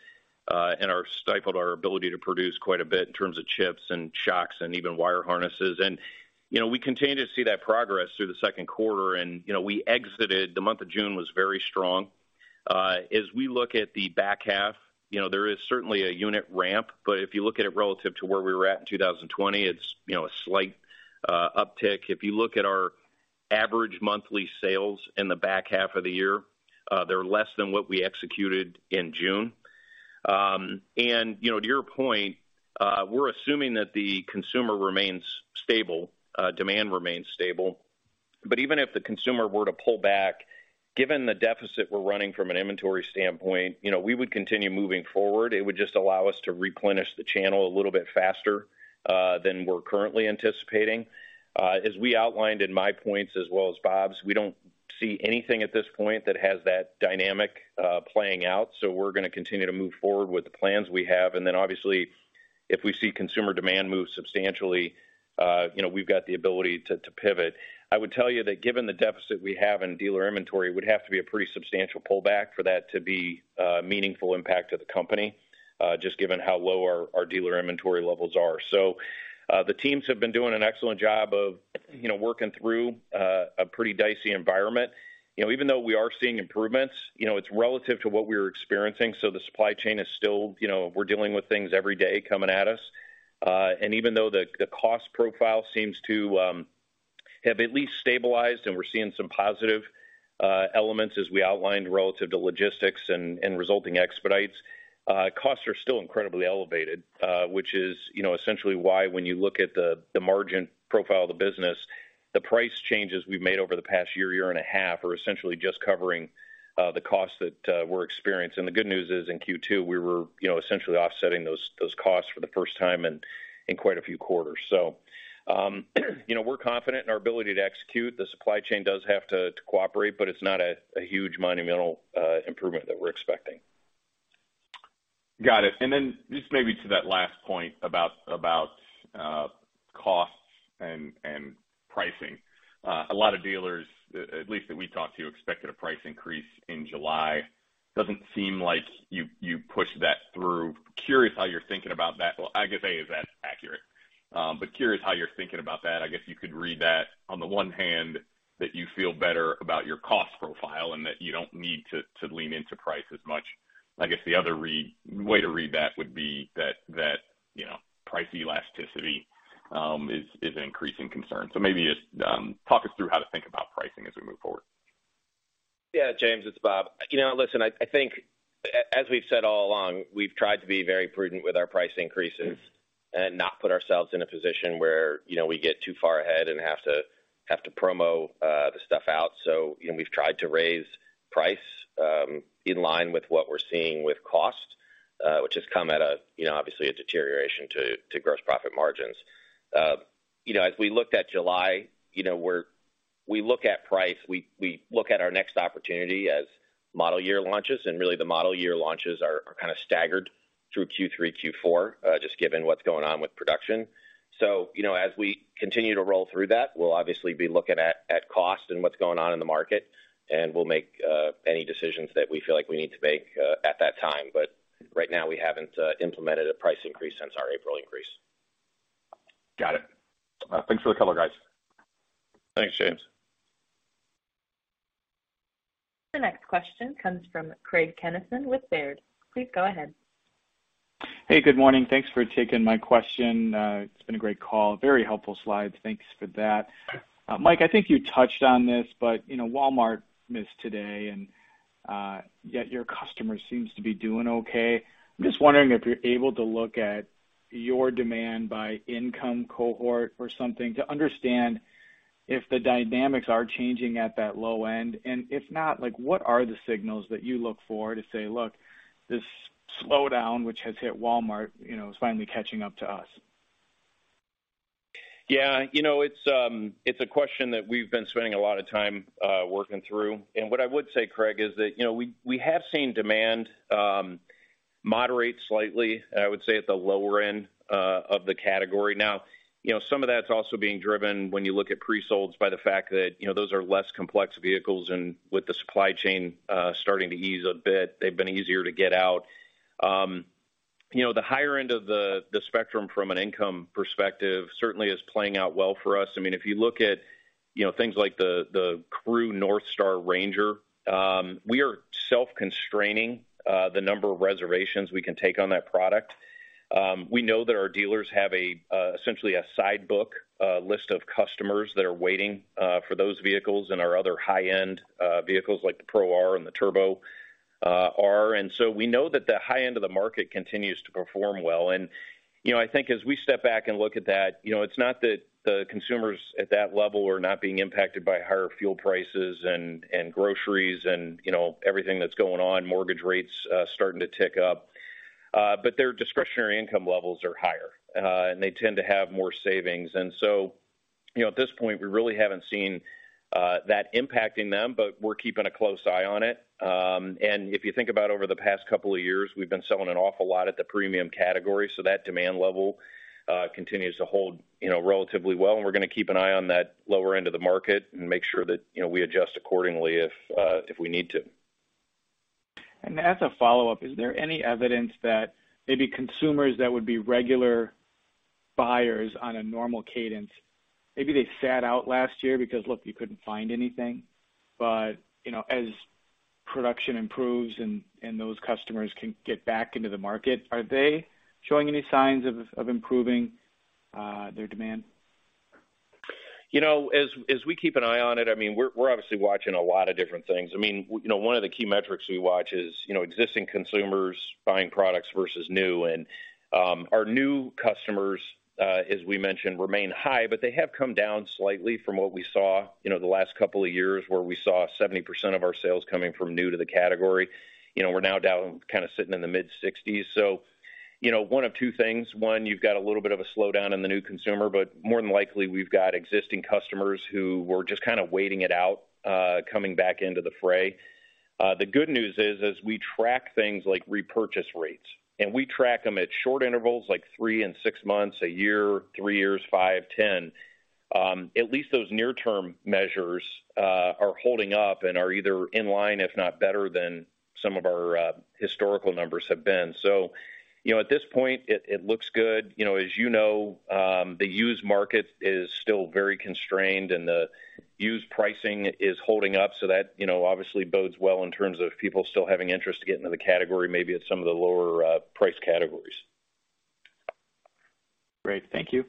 and stifled our ability to produce quite a bit in terms of chips and shocks and even wire harnesses. You know, we continue to see that progress through the second quarter. You know, we exited the month of June was very strong. As we look at the back half, you know, there is certainly a unit ramp, but if you look at it relative to where we were at in 2020, it's, you know, a slight uptick. If you look at our average monthly sales in the back half of the year, they're less than what we executed in June. You know, to your point, we're assuming that the consumer remains stable, demand remains stable. Even if the consumer were to pull back, given the deficit we're running from an inventory standpoint, you know, we would continue moving forward. It would just allow us to replenish the channel a little bit faster than we're currently anticipating. As we outlined in my points as well as Bob's, we don't see anything at this point that has that dynamic playing out. We're gonna continue to move forward with the plans we have. Obviously, if we see consumer demand move substantially, you know, we've got the ability to pivot. I would tell you that given the deficit we have in dealer inventory, it would have to be a pretty substantial pullback for that to be a meaningful impact to the company, just given how low our dealer inventory levels are. The teams have been doing an excellent job of, you know, working through a pretty dicey environment. You know, even though we are seeing improvements, you know, it's relative to what we were experiencing. The supply chain is still. You know, we're dealing with things every day coming at us. Even though the cost profile seems to have at least stabilized and we're seeing some positive elements as we outlined relative to logistics and resulting expedites, costs are still incredibly elevated, which is, you know, essentially why when you look at the margin profile of the business, the price changes we've made over the past year and a half are essentially just covering the costs that we're experiencing. The good news is, in Q2, we were, you know, essentially offsetting those costs for the first time in quite a few quarters. You know, we're confident in our ability to execute. The supply chain does have to cooperate, but it's not a huge monumental improvement that we're expecting. Got it. Just maybe to that last point about costs and pricing. A lot of dealers, at least that we talked to, expected a price increase in July. Doesn't seem like you pushed that through. Curious how you're thinking about that. Well, I guess, is that accurate? Curious how you're thinking about that. I guess you could read that on the one hand that you feel better about your cost profile and that you don't need to lean into price as much. I guess the other way to read that would be that you know price elasticity is an increasing concern. Maybe just talk us through how to think about pricing as we move forward. Yeah, James, it's Bob. You know, listen, I think as we've said all along, we've tried to be very prudent with our price increases and not put ourselves in a position where, you know, we get too far ahead and have to promo the stuff out. You know, we've tried to raise price in line with what we're seeing with cost, which has come at a, you know, obviously a deterioration to gross profit margins. You know, as we looked at July, we look at price, we look at our next opportunity as model year launches, and really the model year launches are kind of staggered through Q3, Q4, just given what's going on with production. You know, as we continue to roll through that, we'll obviously be looking at cost and what's going on in the market, and we'll make any decisions that we feel like we need to make at that time. Right now we haven't implemented a price increase since our April increase. Got it. Thanks for the color, guys. Thanks, James. The next question comes from Craig Kennison with Baird. Please go ahead. Hey, good morning. Thanks for taking my question. It's been a great call. Very helpful slides. Thanks for that. Mike, I think you touched on this, but, you know, Walmart missed today and, yet your customer seems to be doing okay. I'm just wondering if you're able to look at your demand by income cohort or something to understand if the dynamics are changing at that low end. If not, like, what are the signals that you look for to say, "Look, this slowdown, which has hit Walmart, you know, is finally catching up to us. Yeah. You know, it's a question that we've been spending a lot of time working through. What I would say, Craig, is that, you know, we have seen demand moderate slightly, I would say at the lower end of the category. Now, you know, some of that's also being driven when you look at pre-solds by the fact that, you know, those are less complex vehicles, and with the supply chain starting to ease a bit, they've been easier to get out. You know, the higher end of the spectrum from an income perspective certainly is playing out well for us. I mean, if you look at, you know, things like the CREW NorthStar RANGER, we are self-constraining the number of reservations we can take on that product. We know that our dealers have a essentially a side book, a list of customers that are waiting for those vehicles and our other high-end vehicles like the Pro R and the Turbo R. We know that the high end of the market continues to perform well. You know, I think as we step back and look at that, you know, it's not that the consumers at that level are not being impacted by higher fuel prices and groceries and, you know, everything that's going on, mortgage rates starting to tick up. But their discretionary income levels are higher and they tend to have more savings. You know, at this point, we really haven't seen that impacting them, but we're keeping a close eye on it. If you think about over the past couple of years, we've been selling an awful lot at the premium category, so that demand level continues to hold, you know, relatively well, and we're gonna keep an eye on that lower end of the market and make sure that, you know, we adjust accordingly if we need to. As a follow-up, is there any evidence that maybe consumers that would be regular buyers on a normal cadence, maybe they sat out last year because, look, you couldn't find anything. But, you know, as production improves and those customers can get back into the market, are they showing any signs of improving their demand? You know, as we keep an eye on it, I mean, we're obviously watching a lot of different things. I mean, you know, one of the key metrics we watch is, you know, existing consumers buying products versus new. Our new customers, as we mentioned, remain high, but they have come down slightly from what we saw, you know, the last couple of years, where we saw 70% of our sales coming from new to the category. You know, we're now down kind of sitting in the mid-60s. You know, one of two things. One, you've got a little bit of a slowdown in the new consumer, but more than likely, we've got existing customers who were just kind of waiting it out, coming back into the fray. The good news is, as we track things like repurchase rates, and we track them at short intervals, like three and six months, a year, three years, five, 10, at least those near term measures are holding up and are either in line, if not better than some of our historical numbers have been. You know, at this point it looks good. You know, as you know, the used market is still very constrained and the used pricing is holding up. That, you know, obviously bodes well in terms of people still having interest to get into the category, maybe at some of the lower price categories. Great. Thank you.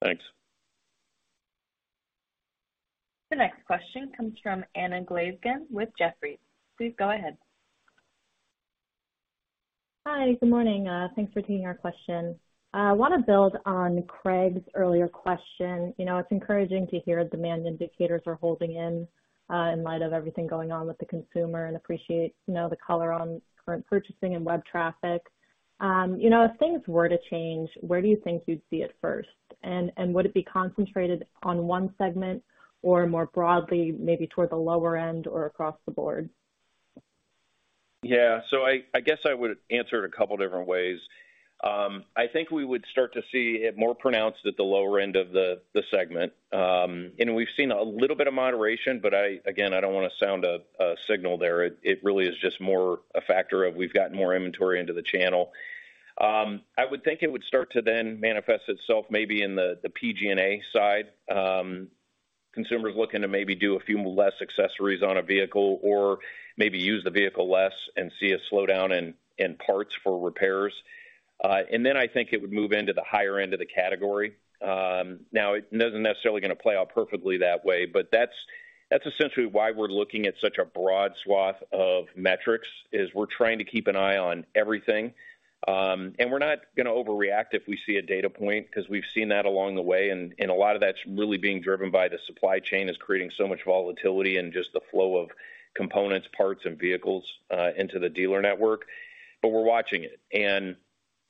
Thanks. The next question comes from Anna Glaessgen with Jefferies. Please go ahead. Hi. Good morning. Thanks for taking our question. I want to build on Craig's earlier question. You know, it's encouraging to hear demand indicators are holding in light of everything going on with the consumer, and appreciate, you know, the color on current purchasing and web traffic. You know, if things were to change, where do you think you'd see it first? Would it be concentrated on one segment or more broadly, maybe toward the lower end or across the board? Yeah. I guess I would answer it a couple different ways. I think we would start to see it more pronounced at the lower end of the segment. We've seen a little bit of moderation, but again, I don't want to sound a signal there. It really is just more a factor of we've gotten more inventory into the channel. I would think it would start to then manifest itself maybe in the PG&A side, consumers looking to maybe do a few less accessories on a vehicle or maybe use the vehicle less and see a slowdown in parts for repairs. Then I think it would move into the higher end of the category. Now it isn't necessarily going to play out perfectly that way, but that's essentially why we're looking at such a broad swath of metrics, is we're trying to keep an eye on everything. We're not going to overreact if we see a data point, because we've seen that along the way. A lot of that's really being driven by the supply chain is creating so much volatility and just the flow of components, parts and vehicles into the dealer network. We're watching it.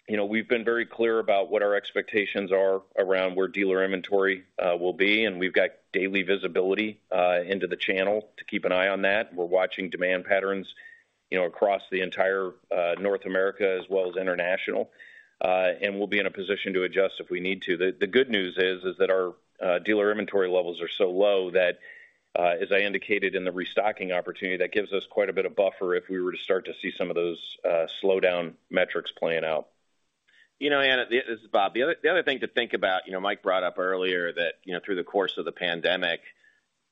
You know, we've been very clear about what our expectations are around where dealer inventory will be, and we've got daily visibility into the channel to keep an eye on that. We're watching demand patterns, you know, across the entire North America as well as international. We'll be in a position to adjust if we need to. The good news is that our dealer inventory levels are so low that, as I indicated in the restocking opportunity, that gives us quite a bit of buffer if we were to start to see some of those slowdown metrics playing out. You know, Anna, this is Bob. The other thing to think about, you know, Mike brought up earlier that, you know, through the course of the pandemic,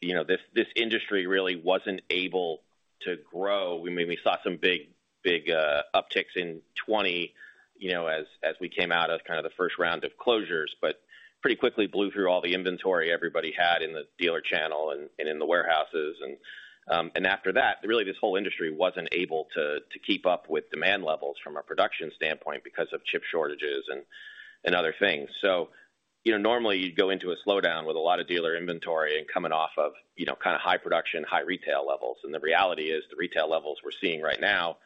you know, this industry really wasn't able to grow. I mean, we saw some big upticks in 2020, you know, as we came out of kind of the first round of closures, but pretty quickly blew through all the inventory everybody had in the dealer channel and in the warehouses. After that, really this whole industry wasn't able to keep up with demand levels from a production standpoint because of chip shortages and other things. You know, normally you'd go into a slowdown with a lot of dealer inventory and coming off of, you know, kind of high production, high retail levels. The reality is the retail levels we're seeing right now,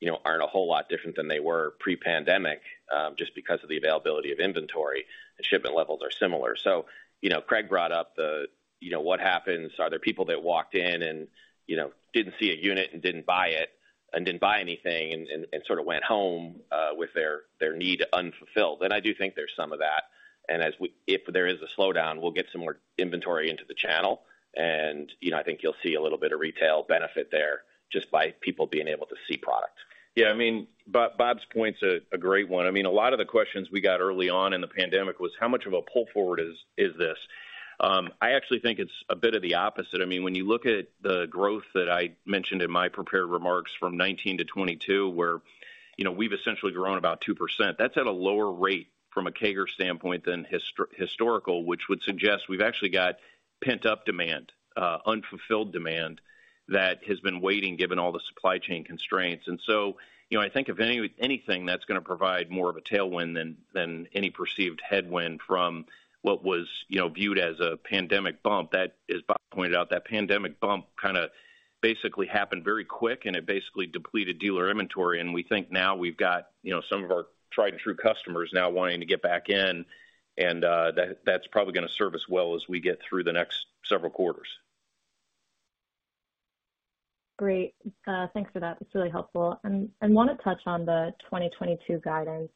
you know, aren't a whole lot different than they were pre-pandemic, just because of the availability of inventory and shipment levels are similar. You know, Craig brought up the, you know, what happens? Are there people that walked in and, you know, didn't see a unit and didn't buy it and didn't buy anything and sort of went home, with their need unfulfilled. I do think there's some of that. If there is a slowdown, we'll get some more inventory into the channel. You know, I think you'll see a little bit of retail benefit there just by people being able to see product. Yeah, I mean, Bob's point's a great one. I mean, a lot of the questions we got early on in the pandemic was how much of a pull forward is this? I actually think it's a bit of the opposite. I mean, when you look at the growth that I mentioned in my prepared remarks from 2019 to 2022, where, you know, we've essentially grown about 2%, that's at a lower rate from a CAGR standpoint than historical, which would suggest we've actually got pent-up demand, unfulfilled demand that has been waiting given all the supply chain constraints. You know, I think if anything that's going to provide more of a tailwind than any perceived headwind from what was, you know, viewed as a pandemic bump, that, as Bob pointed out, that pandemic bump kind of basically happened very quick, and it basically depleted dealer inventory. We think now we've got, you know, some of our tried and true customers now wanting to get back in. That's probably gonna serve us well as we get through the next several quarters. Great. Thanks for that. That's really helpful. Want to touch on the 2022 guidance,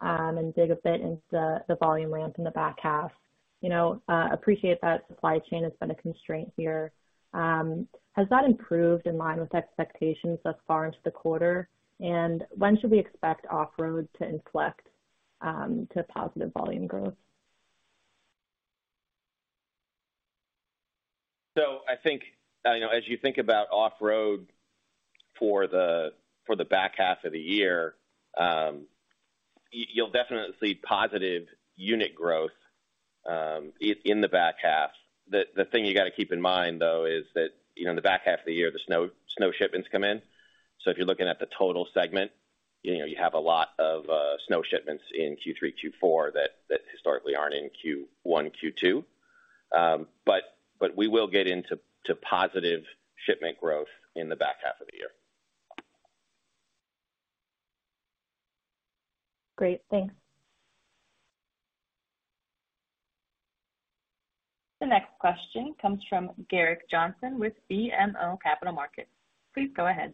and dig a bit into the volume ramp in the back half. You know, appreciate that supply chain has been a constraint here. Has that improved in line with expectations thus far into the quarter? When should we expect Off-Road to inflect to positive volume growth? I think, you know, as you think about Off-Road for the back half of the year, you'll definitely see positive unit growth in the back half. The thing you got to keep in mind, though, is that, you know, in the back half of the year, the snow shipments come in. If you're looking at the total segment, you know, you have a lot of snow shipments in Q3, Q4 that historically aren't in Q1, Q2. We will get to positive shipment growth in the back half of the year. Great. Thanks. The next question comes from Gerrick Johnson with BMO Capital Markets. Please go ahead.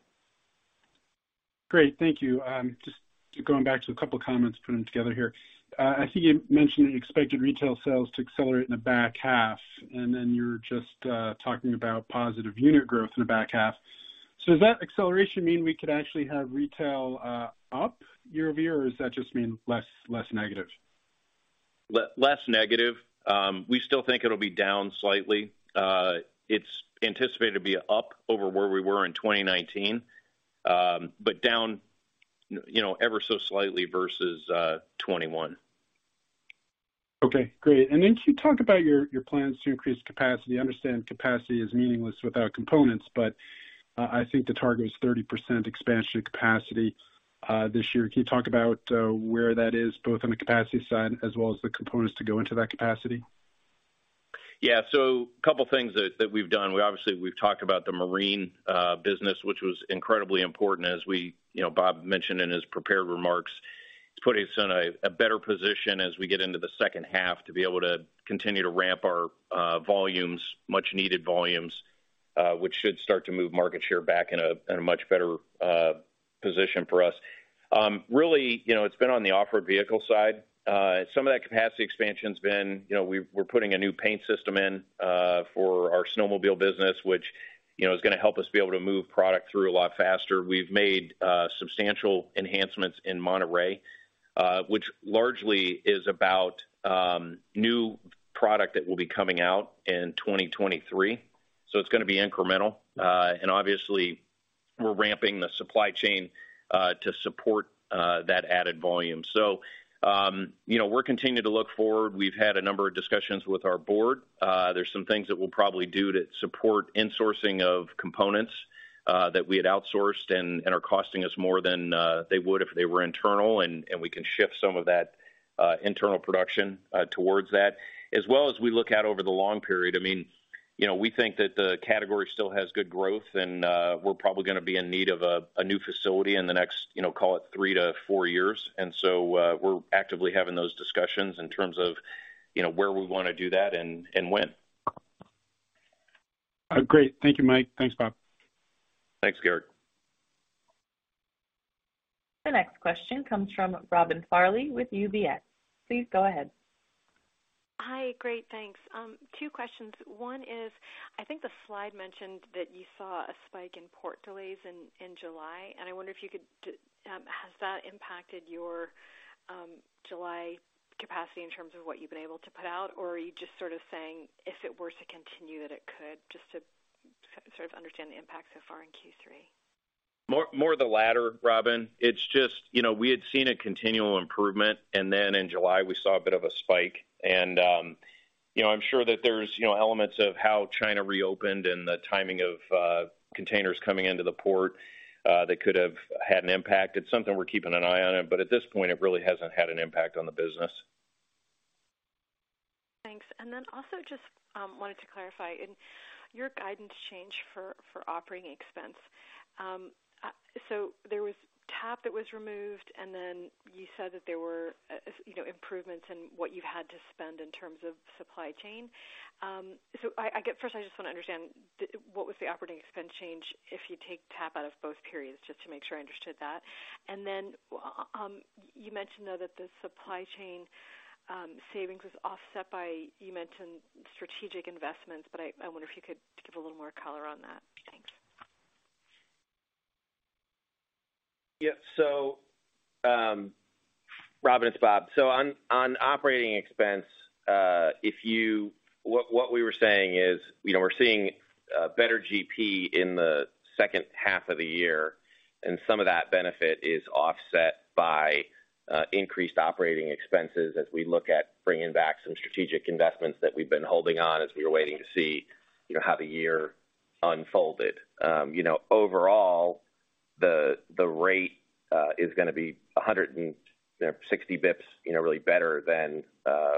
Great. Thank you. Just going back to a couple of comments, put them together here. I think you mentioned expected retail sales to accelerate in the back half, and then you're just talking about positive unit growth in the back half. Does that acceleration mean we could actually have retail up year-over-year, or does that just mean less negative? Less negative. We still think it'll be down slightly. It's anticipated to be up over where we were in 2019, but down, you know, ever so slightly versus 2021. Okay, great. Then can you talk about your plans to increase capacity? I understand capacity is meaningless without components, but I think the target is 30% expansion capacity this year. Can you talk about where that is, both on the capacity side as well as the components to go into that capacity? Yeah. A couple of things that we've done. We obviously have talked about the marine business, which was incredibly important, you know, Bob mentioned in his prepared remarks. It's putting us in a better position as we get into the second half to be able to continue to ramp our volumes, much needed volumes, which should start to move market share back in a much better position for us. Really, you know, it's been on the Off-Road vehicle side. Some of that capacity expansion has been, you know, we're putting a new paint system in for our snowmobile business, which, you know, is gonna help us be able to move product through a lot faster. We've made substantial enhancements in Monterrey, which largely is about new product that will be coming out in 2023. It's gonna be incremental. Obviously we're ramping the supply chain to support that added volume. You know, we're continuing to look forward. We've had a number of discussions with our board. There's some things that we'll probably do to support insourcing of components that we had outsourced and are costing us more than they would if they were internal. We can shift some of that internal production towards that. As well as we look out over the long period, I mean, you know, we think that the category still has good growth and, we're probably gonna be in need of a new facility in the next, you know, call it three to four years. We're actively having those discussions in terms of, you know, where we wanna do that and, when. Great. Thank you, Mike. Thanks, Bob. Thanks, Gerrick. The next question comes from Robin Farley with UBS. Please go ahead. Hi. Great. Thanks. Two questions. One is, I think the slide mentioned that you saw a spike in port delays in July, and I wonder if you could, has that impacted your July capacity in terms of what you've been able to put out? Or are you just sort of saying if it were to continue that it could, just to sort of understand the impact so far in Q3. More of the latter, Robin. It's just, you know, we had seen a continual improvement, and then in July, we saw a bit of a spike. You know, I'm sure that there's, you know, elements of how China reopened and the timing of containers coming into the port that could have had an impact. It's something we're keeping an eye on it, but at this point, it really hasn't had an impact on the business. Thanks. Then also just wanted to clarify. In your guidance change for operating expense, so there was TAP that was removed, and then you said that there were, you know, improvements in what you've had to spend in terms of supply chain. So I get. First, I just wanna understand what was the operating expense change if you take TAP out of both periods, just to make sure I understood that. Then you mentioned, though, that the supply chain savings was offset by, you mentioned strategic investments, but I wonder if you could give a little more color on that. Thanks. Yeah, Robin, it's Bob. On operating expense, what we were saying is, you know, we're seeing better GP in the second half of the year, and some of that benefit is offset by increased operating expenses as we look at bringing back some strategic investments that we've been holding on as we were waiting to see, you know, how the year unfolded. Overall, the rate is gonna be 160 bps, really better than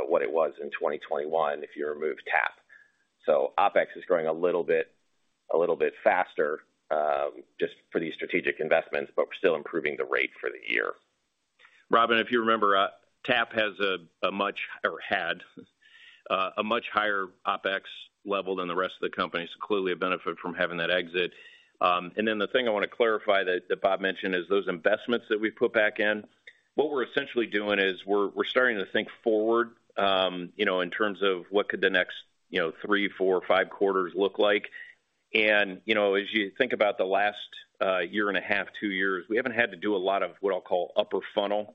what it was in 2021 if you remove TAP. OpEx is growing a little bit faster, just for these strategic investments, but we're still improving the rate for the year. Robin, if you remember, TAP had a much higher OpEx level than the rest of the company, so clearly a benefit from having that exit. Then the thing I wanna clarify that Bob mentioned is those investments that we've put back in. What we're essentially doing is we're starting to think forward, you know, in terms of what could the next, you know, three, four, five quarters look like. You know, as you think about the last year and a half, two years, we haven't had to do a lot of what I'll call upper funnel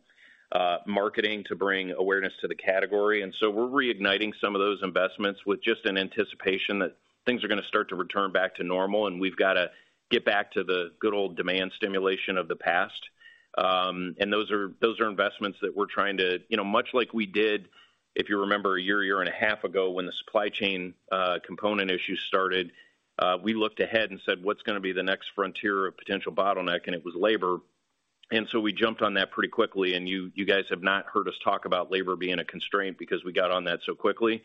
marketing to bring awareness to the category. We're reigniting some of those investments with just an anticipation that things are gonna start to return back to normal, and we've gotta get back to the good old demand stimulation of the past. Those are investments that we're trying to. You know, much like we did, if you remember a year and a half ago when the supply chain component issue started, we looked ahead and said, what's gonna be the next frontier of potential bottleneck? It was labor. We jumped on that pretty quickly. You guys have not heard us talk about labor being a constraint because we got on that so quickly.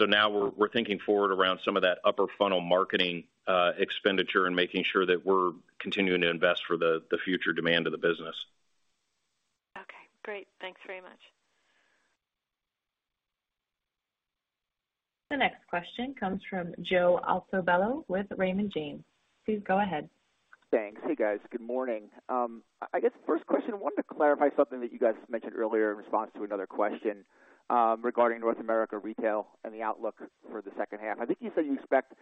Now we're thinking forward around some of that upper funnel marketing expenditure and making sure that we're continuing to invest for the future demand of the business. Okay, great. Thanks very much. The next question comes from Joe Altobello with Raymond James. Please go ahead. Thanks. Hey, guys. Good morning. I guess first question, I wanted to clarify something that you guys mentioned earlier in response to another question, regarding North America retail and the outlook for the second half. I think you said you expect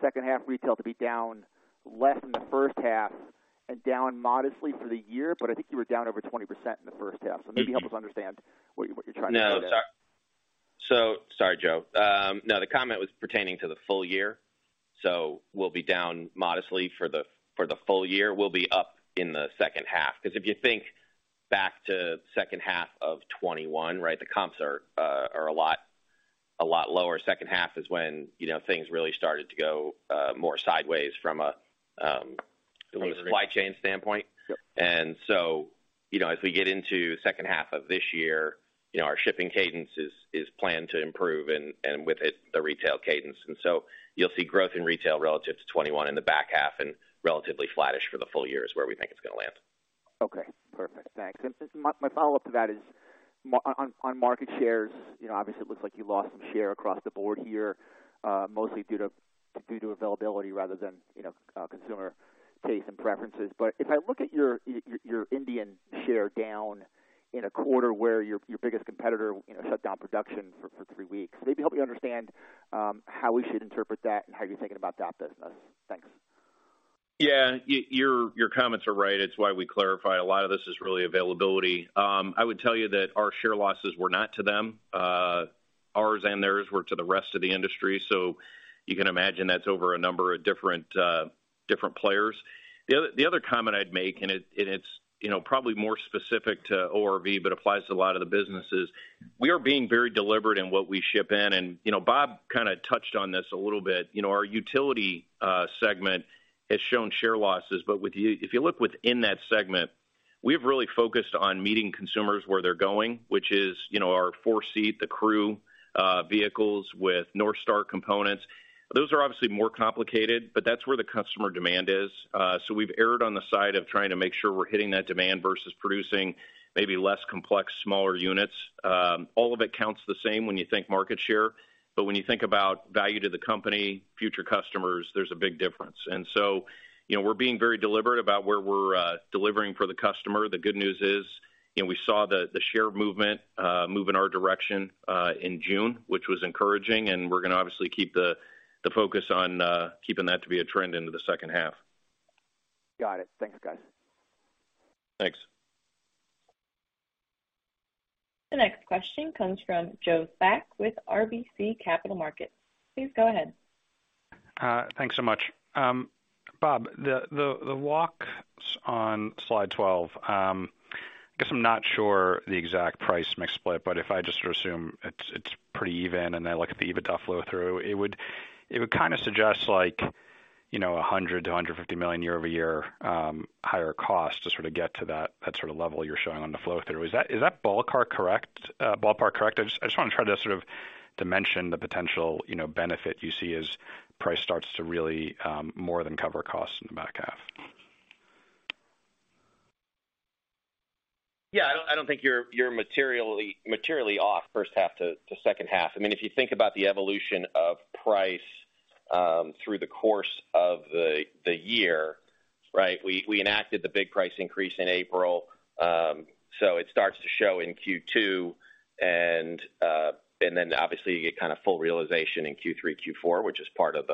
second half retail to be down less than the first half and down modestly for the year, but I think you were down over 20% in the first half. Maybe help us understand what you're trying to say there. Sorry, Joe. No, the comment was pertaining to the full year, so we'll be down modestly for the full year. We'll be up in the second half, 'cause if you think back to second half of 2021, right? The comps are a lot lower. Second half is when, you know, things really started to go more sideways from a supply chain standpoint. Yep. You know, as we get into second half of this year, you know, our shipping cadence is planned to improve and with it, the retail cadence. You'll see growth in retail relative to 21 in the back half and relatively flattish for the full year is where we think it's gonna land. Okay, perfect. Thanks. My follow-up to that is on market shares, you know, obviously it looks like you lost some share across the board here, mostly due to availability rather than, you know, consumer taste and preferences. If I look at your Indian share down in a quarter where your biggest competitor, you know, shut down production for three weeks, maybe help me understand how we should interpret that and how you're thinking about that business. Thanks. Yeah. Your comments are right. It's why we clarify a lot of this is really availability. I would tell you that our share losses were not to them. Ours and theirs were to the rest of the industry, so you can imagine that's over a number of different players. The other comment I'd make, and it's, you know, probably more specific to ORV, but applies to a lot of the businesses. We are being very deliberate in what we ship in. You know, Bob kind of touched on this a little bit. You know, our utility segment has shown share losses, but if you look within that segment, we've really focused on meeting consumers where they're going, which is, you know, our four seat, the crew, vehicles with NorthStar components. Those are obviously more complicated, but that's where the customer demand is. We've erred on the side of trying to make sure we're hitting that demand versus producing maybe less complex, smaller units. All of it counts the same when you think market share, but when you think about value to the company, future customers, there's a big difference. You know, we're being very deliberate about where we're delivering for the customer. The good news is, you know, we saw the share movement move in our direction in June, which was encouraging, and we're gonna obviously keep the focus on keeping that to be a trend into the second half. Got it. Thanks, guys. Thanks. The next question comes from Joe Spak with RBC Capital Markets. Please go ahead. Thanks so much. Bob, the walks on slide 12, I guess I'm not sure the exact price mix split, but if I just assume it's pretty even and I look at the EBITDA flow through, it would kinda suggest like, you know, $100 million-$150 million year-over-year higher cost to sort of get to that sort of level you're showing on the flow through. Is that ballpark correct? Ballpark correct? I just wanna try to sort of dimension the potential, you know, benefit you see as price starts to really more than cover costs in the back half. Yeah, I don't think you're materially off first half to second half. I mean, if you think about the evolution of price through the course of the year, right? We enacted the big price increase in April, so it starts to show in Q2 and then obviously you get kind of full realization in Q3, Q4, which is part of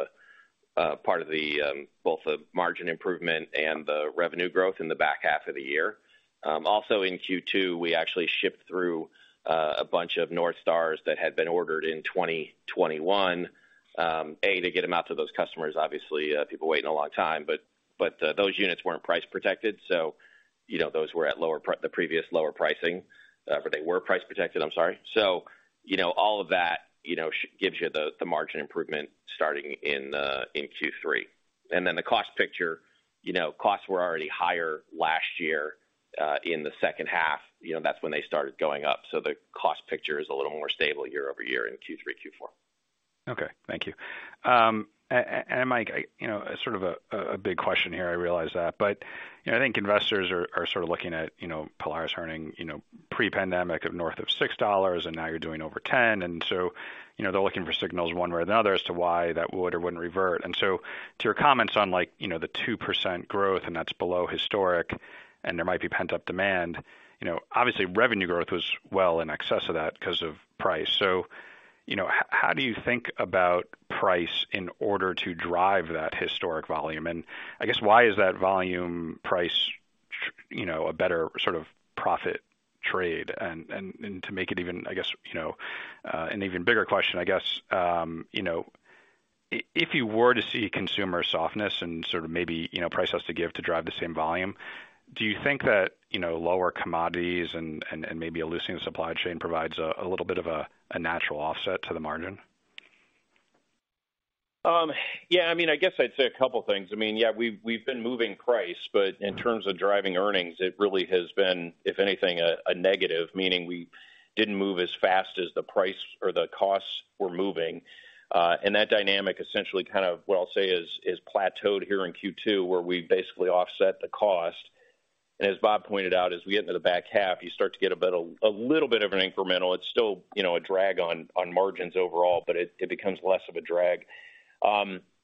both the margin improvement and the revenue growth in the back half of the year. Also in Q2, we actually shipped through a bunch of NorthStar that had been ordered in 2021 to get them out to those customers. Obviously, people waiting a long time, but those units weren't price protected, so you know, those were at the previous lower pricing. They were price protected, I'm sorry. You know, all of that, you know, gives you the margin improvement starting in Q3. The cost picture, you know, costs were already higher last year in the second half. You know, that's when they started going up, so the cost picture is a little more stable year-over-year in Q3, Q4. Okay. Thank you. Mike, you know, sort of a big question here, I realize that. I think investors are sort of looking at, you know, Polaris earnings, you know, pre-pandemic of north of $6, and now you're doing over $10. They're looking for signals one way or another as to why that would or wouldn't revert. To your comments on like, you know, the 2% growth and that's below historical and there might be pent-up demand, you know, obviously revenue growth was well in excess of that because of price. You know, how do you think about price in order to drive that historical volume? I guess why is that volume price, you know, a better sort of profit trade? To make it even, I guess, you know, an even bigger question, I guess, you know, if you were to see consumer softness and sort of maybe, you know, price has to give to drive the same volume, do you think that, you know, lower commodities and maybe a loosening supply chain provides a little bit of a natural offset to the margin? Yeah, I mean, I guess I'd say a couple things. I mean, yeah, we've been moving price, but in terms of driving earnings, it really has been, if anything, a negative, meaning we didn't move as fast as the price or the costs were moving. That dynamic essentially kind of what I'll say is plateaued here in Q2, where we basically offset the costs. As Bob pointed out, as we get into the back half, you start to get a bit of a little bit of an incremental. It's still, you know, a drag on margins overall, but it becomes less of a drag.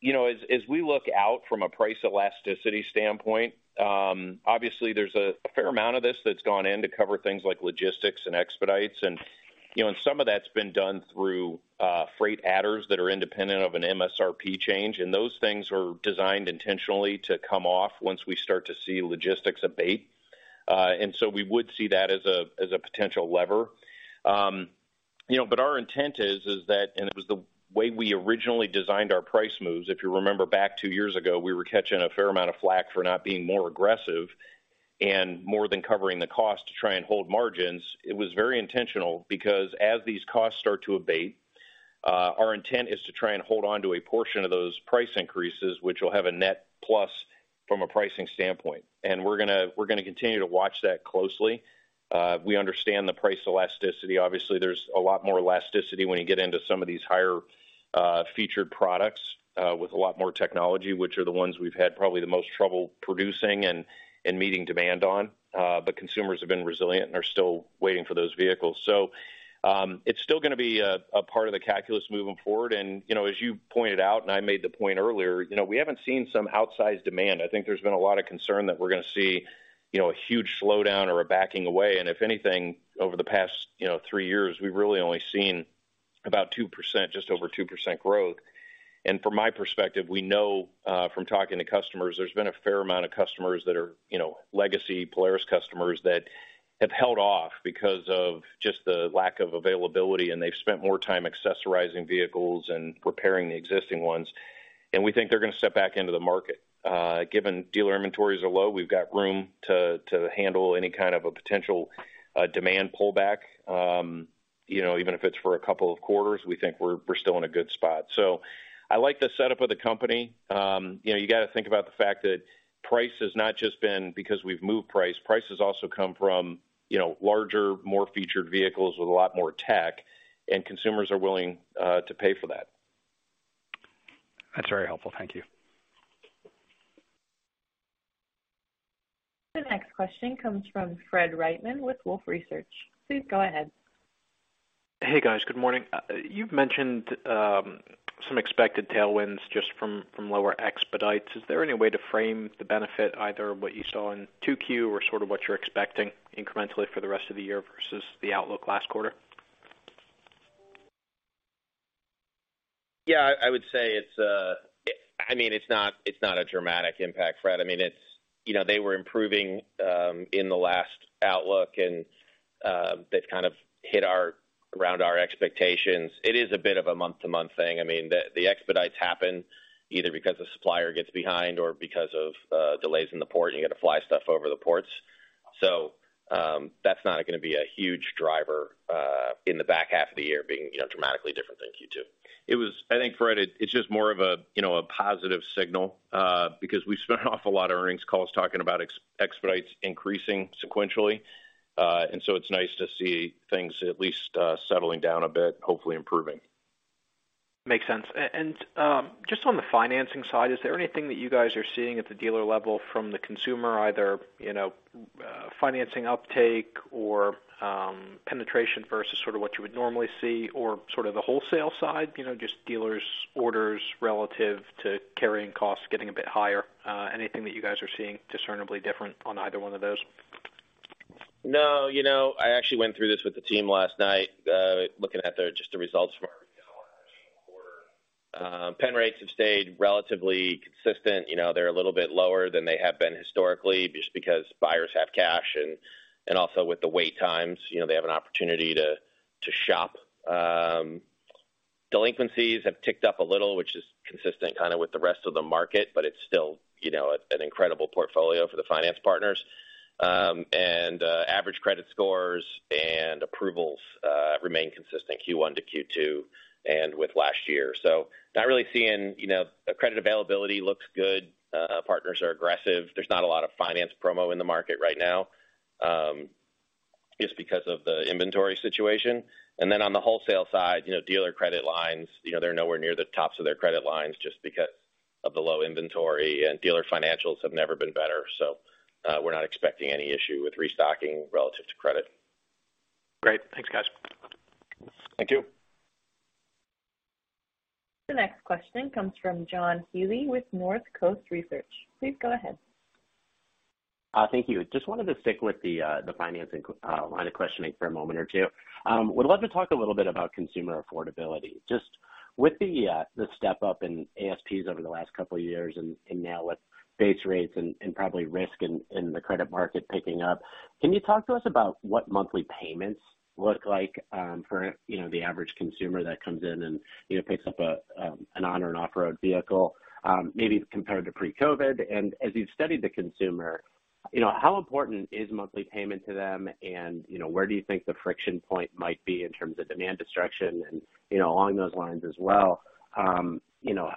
You know, as we look out from a price elasticity standpoint, obviously there's a fair amount of this that's gone in to cover things like logistics and expedites and, you know, and some of that's been done through freight adders that are independent of an MSRP change. Those things are designed intentionally to come off once we start to see logistics abate. We would see that as a potential lever. You know, but our intent is that, and it was the way we originally designed our price moves. If you remember back two years ago, we were catching a fair amount of flak for not being more aggressive and more than covering the cost to try and hold margins. It was very intentional because as these costs start to abate, our intent is to try and hold onto a portion of those price increases, which will have a net plus from a pricing standpoint. We're gonna continue to watch that closely. We understand the price elasticity. Obviously, there's a lot more elasticity when you get into some of these higher, featured products, with a lot more technology, which are the ones we've had probably the most trouble producing and meeting demand on. Consumers have been resilient and are still waiting for those vehicles. It's still gonna be a part of the calculus moving forward. You know, as you pointed out, and I made the point earlier, you know, we haven't seen some outsized demand. I think there's been a lot of concern that we're gonna see, you know, a huge slowdown or a backing away. If anything, over the past, you know, three years, we've really only seen about 2%, just over 2% growth. From my perspective, we know from talking to customers, there's been a fair amount of customers that are, you know, legacy Polaris customers that have held off because of just the lack of availability, and they've spent more time accessorizing vehicles and preparing the existing ones. We think they're gonna step back into the market. Given dealer inventories are low, we've got room to handle any kind of a potential demand pullback. You know, even if it's for a couple of quarters, we think we're still in a good spot. I like the setup of the company. You know, you gotta think about the fact that price has not just been because we've moved price. Price has also come from, you know, larger, more featured vehicles with a lot more tech, and consumers are willing to pay for that. That's very helpful. Thank you. The next question comes from Fred Wightman with Wolfe Research. Please go ahead. Hey, guys. Good morning. You've mentioned some expected tailwinds just from lower expenditures. Is there any way to frame the benefit either of what you saw in 2Q or sort of what you're expecting incrementally for the rest of the year versus the outlook last quarter? Yeah, I would say it's, I mean, it's not a dramatic impact, Fred. I mean, it's, you know, they were improving in the last outlook, and they've kind of hit around our expectations. It is a bit of a month-to-month thing. I mean, the expedites happen either because a supplier gets behind or because of delays in the port, and you gotta fly stuff over the ports. That's not gonna be a huge driver in the back half of the year being, you know, dramatically different than Q2. I think, Fred, it's just more of a, you know, a positive signal, because we've spent an awful lot of earnings calls talking about expedites increasing sequentially. It's nice to see things at least settling down a bit, hopefully improving. Makes sense. Just on the financing side, is there anything that you guys are seeing at the dealer level from the consumer, either, you know, financing uptake or penetration versus sort of what you would normally see or sort of the wholesale side, you know, just dealers orders relative to carrying costs getting a bit higher? Anything that you guys are seeing discernibly different on either one of those? No. You know, I actually went through this with the team last night, looking at just the results for last quarter. Pen rates have stayed relatively consistent. You know, they're a little bit lower than they have been historically just because buyers have cash and also with the wait times, you know, they have an opportunity to shop. Delinquencies have ticked up a little, which is consistent kinda with the rest of the market, but it's still, you know, an incredible portfolio for the finance partners. Average credit scores and approvals remain consistent Q1 to Q2 and with last year. Not really seeing, you know, credit availability looks good. Partners are aggressive. There's not a lot of finance promo in the market right now, just because of the inventory situation. On the wholesale side, you know, dealer credit lines, you know, they're nowhere near the tops of their credit lines just because of the low inventory. Dealer financials have never been better. We're not expecting any issue with restocking relative to credit. Great. Thanks, guys. Thank you. The next question comes from John Healy with Northcoast Research. Please go ahead. Thank you. Just wanted to stick with the financing line of questioning for a moment or two. Would love to talk a little bit about consumer affordability. Just with the step-up in ASPs over the last couple of years and now with base rates and probably risk in the credit market picking up, can you talk to us about what monthly payments look like for you know the average consumer that comes in and you know picks up a an On-Road and Off-Road vehicle maybe compared to pre-COVID? As you've studied the consumer, you know, how important is monthly payment to them? You know, where do you think the friction point might be in terms of demand destruction and, you know, along those lines as well, you know,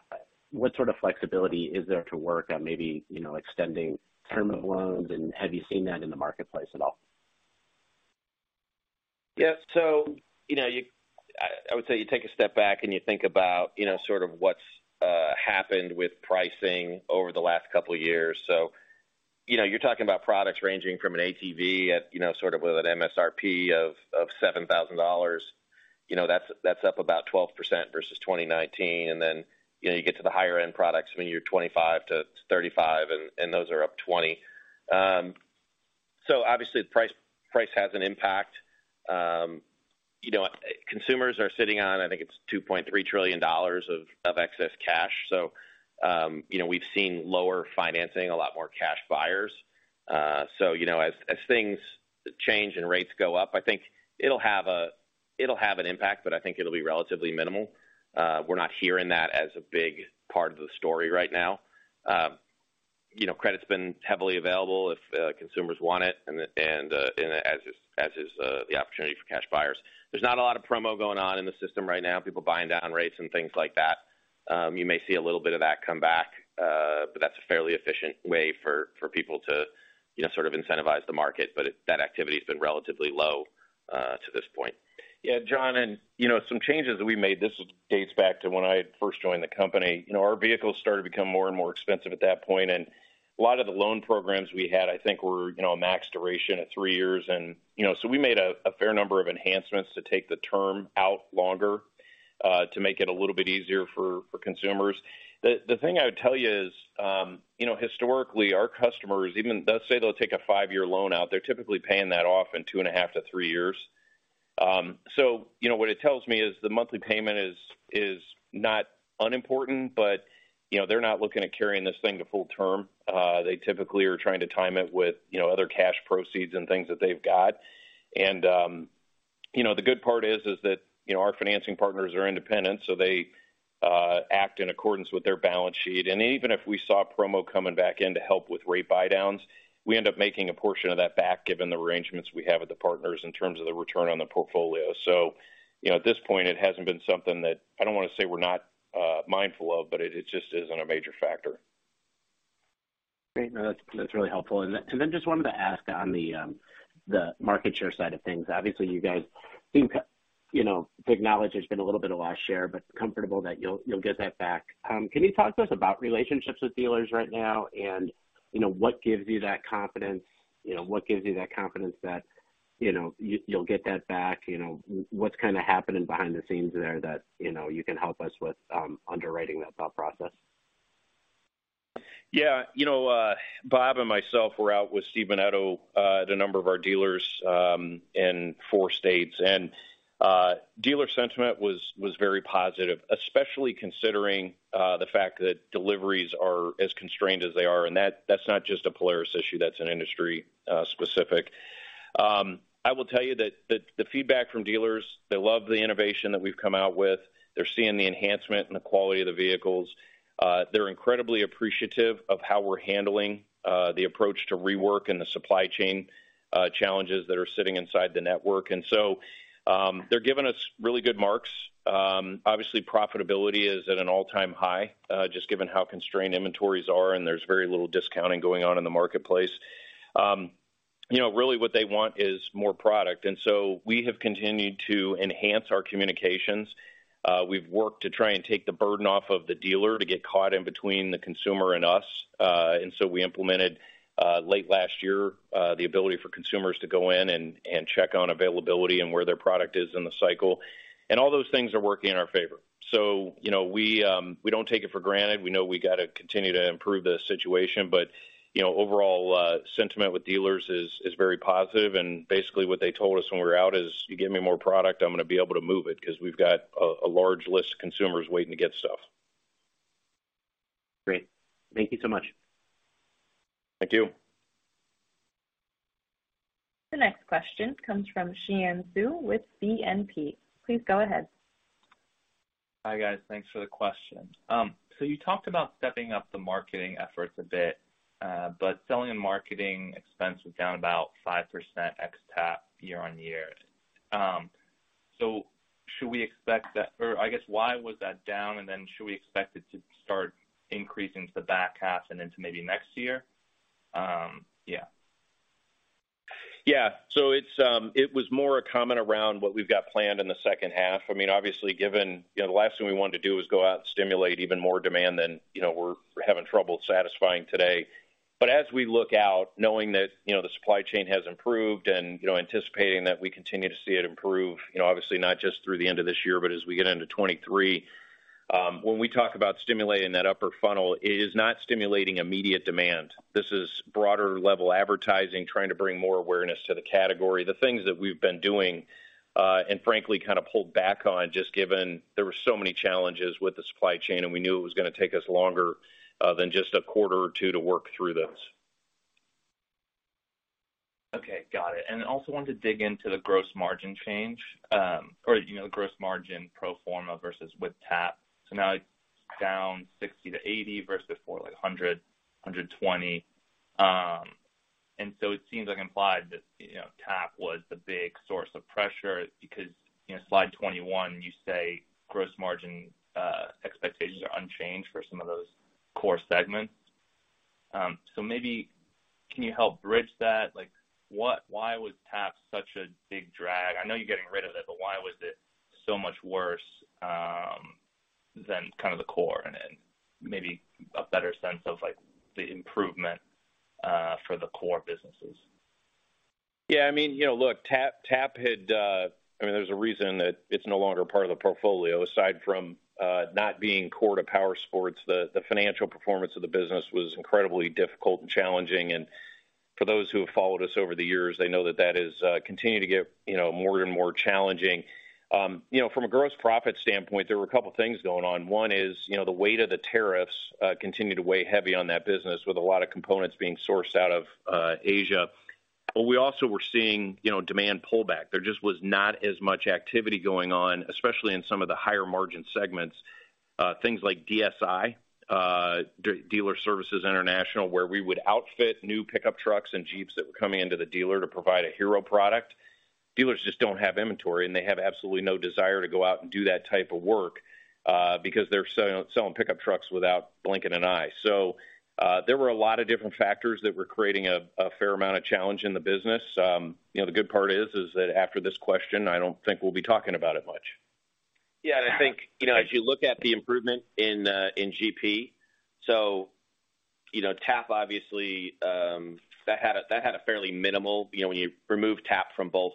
what sort of flexibility is there to work on maybe, you know, extending term of loans, and have you seen that in the marketplace at all? Yeah. You know, I would say you take a step back and you think about, you know, sort of what's happened with pricing over the last couple years. You know, you're talking about products ranging from an ATV at, you know, sort of with an MSRP of $7,000. You know, that's up about 12% versus 2019. You know, you get to the higher end products, I mean, you're $25,000-$35,000, and those are up 20%. Obviously the price has an impact. You know, consumers are sitting on, I think it's $2.3 trillion of excess cash. You know, we've seen lower financing, a lot more cash buyers. So, you know, as things change and rates go up, I think it'll have an impact, but I think it'll be relatively minimal. We're not hearing that as a big part of the story right now. You know, credit's been heavily available if consumers want it and as is the opportunity for cash buyers. There's not a lot of promo going on in the system right now, people buying down rates and things like that. You may see a little bit of that come back, but that's a fairly efficient way for people to, you know, sort of incentivize the market. That activity has been relatively low to this point. Yeah, John, you know, some changes that we made. This dates back to when I first joined the company. You know, our vehicles started to become more and more expensive at that point, and a lot of the loan programs we had, I think were, you know, a max duration at three years. You know, we made a fair number of enhancements to take the term out longer, to make it a little bit easier for consumers. The thing I would tell you is, you know, historically, our customers, even they'll say they'll take a five-year loan out, they're typically paying that off in two and a half to three years. You know, what it tells me is the monthly payment is not unimportant, but, you know, they're not looking at carrying this thing to full term. They typically are trying to time it with, you know, other cash proceeds and things that they've got. You know, the good part is that, you know, our financing partners are independent, so they act in accordance with their balance sheet. Even if we saw promo coming back in to help with rate buydowns, we end up making a portion of that back, given the arrangements we have with the partners in terms of the return on the portfolio. You know, at this point, it hasn't been something that I don't wanna say we're not mindful of, but it just isn't a major factor. Great. No, that's really helpful. Just wanted to ask on the market share side of things. Obviously, you guys think, you know, acknowledge there's been a little bit of lost share, but comfortable that you'll get that back. Can you talk to us about relationships with dealers right now and you know, what gives you that confidence? You know, what gives you that confidence that, you know, you'll get that back? You know, what's kinda happening behind the scenes there that, you know, you can help us with underwriting that thought process? Yeah. You know, Bob and myself were out with Steve Menneto at a number of our dealers in four states. Dealer sentiment was very positive, especially considering the fact that deliveries are as constrained as they are. That's not just a Polaris issue, that's an industry specific. I will tell you that the feedback from dealers, they love the innovation that we've come out with. They're seeing the enhancement and the quality of the vehicles. They're incredibly appreciative of how we're handling the approach to rework and the supply chain challenges that are sitting inside the network. They're giving us really good marks. Obviously profitability is at an all-time high, just given how constrained inventories are, and there's very little discounting going on in the marketplace. You know, really what they want is more product. We have continued to enhance our communications. We've worked to try and take the burden off of the dealer to get caught in between the consumer and us. We implemented late last year the ability for consumers to go in and check on availability and where their product is in the cycle. All those things are working in our favor. You know, we don't take it for granted. We know we gotta continue to improve the situation. You know, overall, sentiment with dealers is very positive. Basically what they told us when we were out is, "You give me more product, I'm gonna be able to move it 'cause we've got a large list of consumers waiting to get stuff. Great. Thank you so much. Thank you. The next question comes from Xian Siew with BNP. Please go ahead. Hi, guys. Thanks for the question. You talked about stepping up the marketing efforts a bit, but selling and marketing expense was down about 5% ex TAP year-over-year. Should we expect that or I guess why was that down? Then should we expect it to start increasing to the back half and into maybe next year? Yeah. Yeah. It was more a comment around what we've got planned in the second half. I mean, obviously given, you know, the last thing we wanted to do was go out and stimulate even more demand than, you know, we're having trouble satisfying today. As we look out knowing that, you know, the supply chain has improved and, you know, anticipating that we continue to see it improve, you know, obviously not just through the end of this year, but as we get into 2023. When we talk about stimulating that upper funnel, it is not stimulating immediate demand. This is broader level advertising, trying to bring more awareness to the category. The things that we've been doing, and frankly kind of pulled back on just given there were so many challenges with the supply chain, and we knew it was gonna take us longer than just a quarter or two to work through this. Okay. Got it. Then also wanted to dig into the gross margin change, or you know, the gross margin pro forma versus with TAP. Now it's down 60-80 versus for like 100-120. It seems like implied that, you know, TAP was the big source of pressure because, you know, slide 21 you say gross margin expectations are unchanged for some of those core segments. Maybe can you help bridge that? Like, what, why was TAP such a big drag? I know you're getting rid of it, but why was it so much worse than kind of the core? Maybe a better sense of, like, the improvement for the core businesses. I mean, you know, look, there's a reason that it's no longer part of the portfolio. Aside from not being core to powersports, the financial performance of the business was incredibly difficult and challenging. For those who have followed us over the years, they know that is continuing to get, you know, more and more challenging. You know, from a gross profit standpoint, there were a couple things going on. One is, you know, the weight of the tariffs continued to weigh heavy on that business with a lot of components being sourced out of Asia. But we also were seeing, you know, demand pullback. There just was not as much activity going on, especially in some of the higher margin segments. Things like DSI, Dealer Services International, where we would outfit new pickup trucks and Jeeps that were coming into the dealer to provide a hero product. Dealers just don't have inventory, and they have absolutely no desire to go out and do that type of work, because they're selling pickup trucks without blinking an eye. There were a lot of different factors that were creating a fair amount of challenge in the business. You know, the good part is that after this question, I don't think we'll be talking about it much. Yeah, I think, you know, as you look at the improvement in GP, you know, TAP obviously, that had a fairly minimal impact. You know, when you remove TAP from both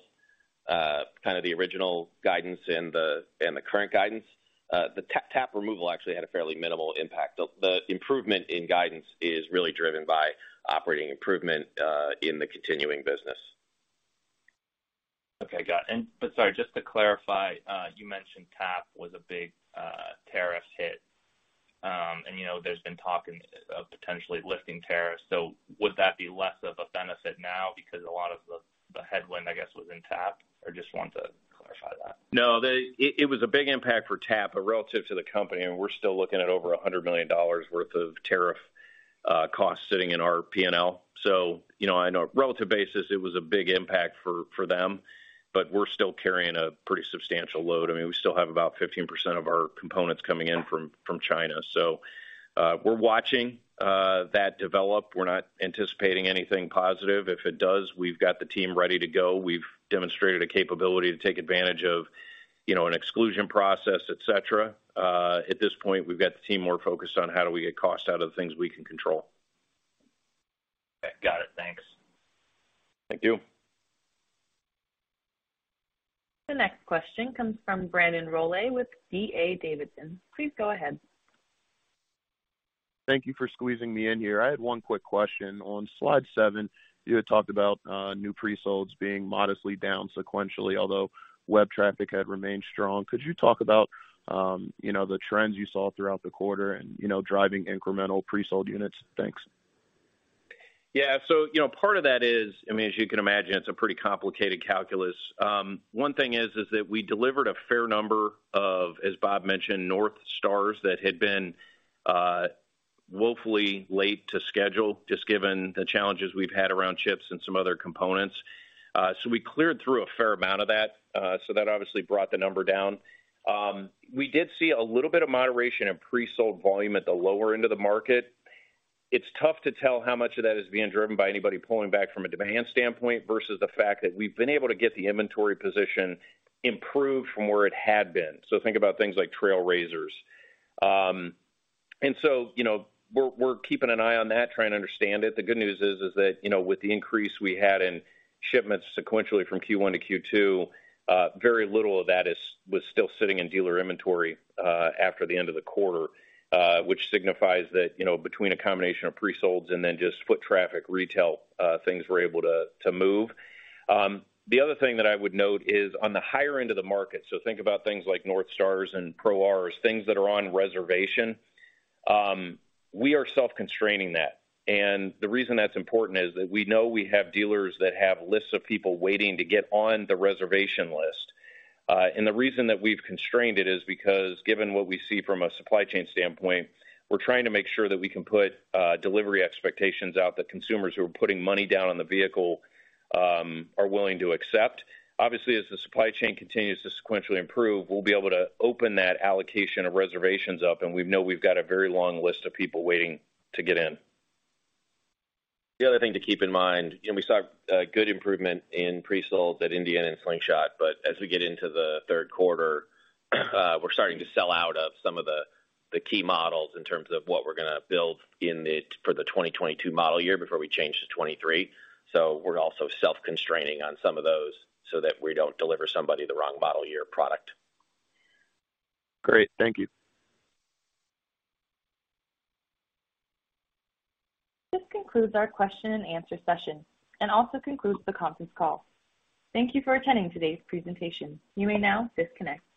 kind of the original guidance and the current guidance, the TAP removal actually had a fairly minimal impact. The improvement in guidance is really driven by operating improvement in the continuing business. Okay, got it. Sorry, just to clarify, you mentioned TAP was a big tariff hit. You know, there's been talk of potentially lifting tariffs. Would that be less of a benefit now because a lot of the headwind, I guess, was in TAP? I just want to clarify that. No, it was a big impact for TAP, but relative to the company, and we're still looking at over $100 million worth of tariff costs sitting in our P&L. So, you know, on a relative basis, it was a big impact for them, but we're still carrying a pretty substantial load. I mean, we still have about 15% of our components coming in from China. So, we're watching that develop. We're not anticipating anything positive. If it does, we've got the team ready to go. We've demonstrated a capability to take advantage of, you know, an exclusion process, et cetera. At this point, we've got the team more focused on how do we get cost out of the things we can control. Okay. Got it. Thanks. Thank you. The next question comes from Brandon Rollé with D.A. Davidson. Please go ahead. Thank you for squeezing me in here. I had one quick question. On slide seven, you had talked about new pre-solds being modestly down sequentially, although web traffic had remained strong. Could you talk about you know, the trends you saw throughout the quarter and you know, driving incremental presold units? Thanks. Yeah. You know, part of that is, I mean, as you can imagine, it's a pretty complicated calculus. One thing is that we delivered a fair number of, as Bob mentioned, NorthStar that had been woefully late to schedule, just given the challenges we've had around chips and some other components. So we cleared through a fair amount of that, so that obviously brought the number down. We did see a little bit of moderation in presold volume at the lower end of the market. It's tough to tell how much of that is being driven by anybody pulling back from a demand standpoint versus the fact that we've been able to get the inventory position improved from where it had been. Think about things like RZR Trail. You know, we're keeping an eye on that, trying to understand it. The good news is that, you know, with the increase we had in shipments sequentially from Q1 to Q2, very little of that was still sitting in dealer inventory after the end of the quarter, which signifies that, you know, between a combination of presolds and then just foot traffic retail, things were able to move. The other thing that I would note is on the higher end of the market, so think about things like NorthStar and RZR Pro R, things that are on reservation, we are self-constraining that. The reason that's important is that we know we have dealers that have lists of people waiting to get on the reservation list. The reason that we've constrained it is because given what we see from a supply chain standpoint, we're trying to make sure that we can put delivery expectations out that consumers who are putting money down on the vehicle are willing to accept. Obviously, as the supply chain continues to sequentially improve, we'll be able to open that allocation of reservations up, and we know we've got a very long list of people waiting to get in. The other thing to keep in mind, you know, we saw good improvement in presolds at Indian and Slingshot, but as we get into the third quarter, we're starting to sell out of some of the key models in terms of what we're gonna build for the 2022 model year before we change to 2023. We're also self-constraining on some of those so that we don't deliver somebody the wrong model-year product. Great. Thank you. This concludes our question-and-answer session and also concludes the conference call. Thank you for attending today's presentation. You may now disconnect.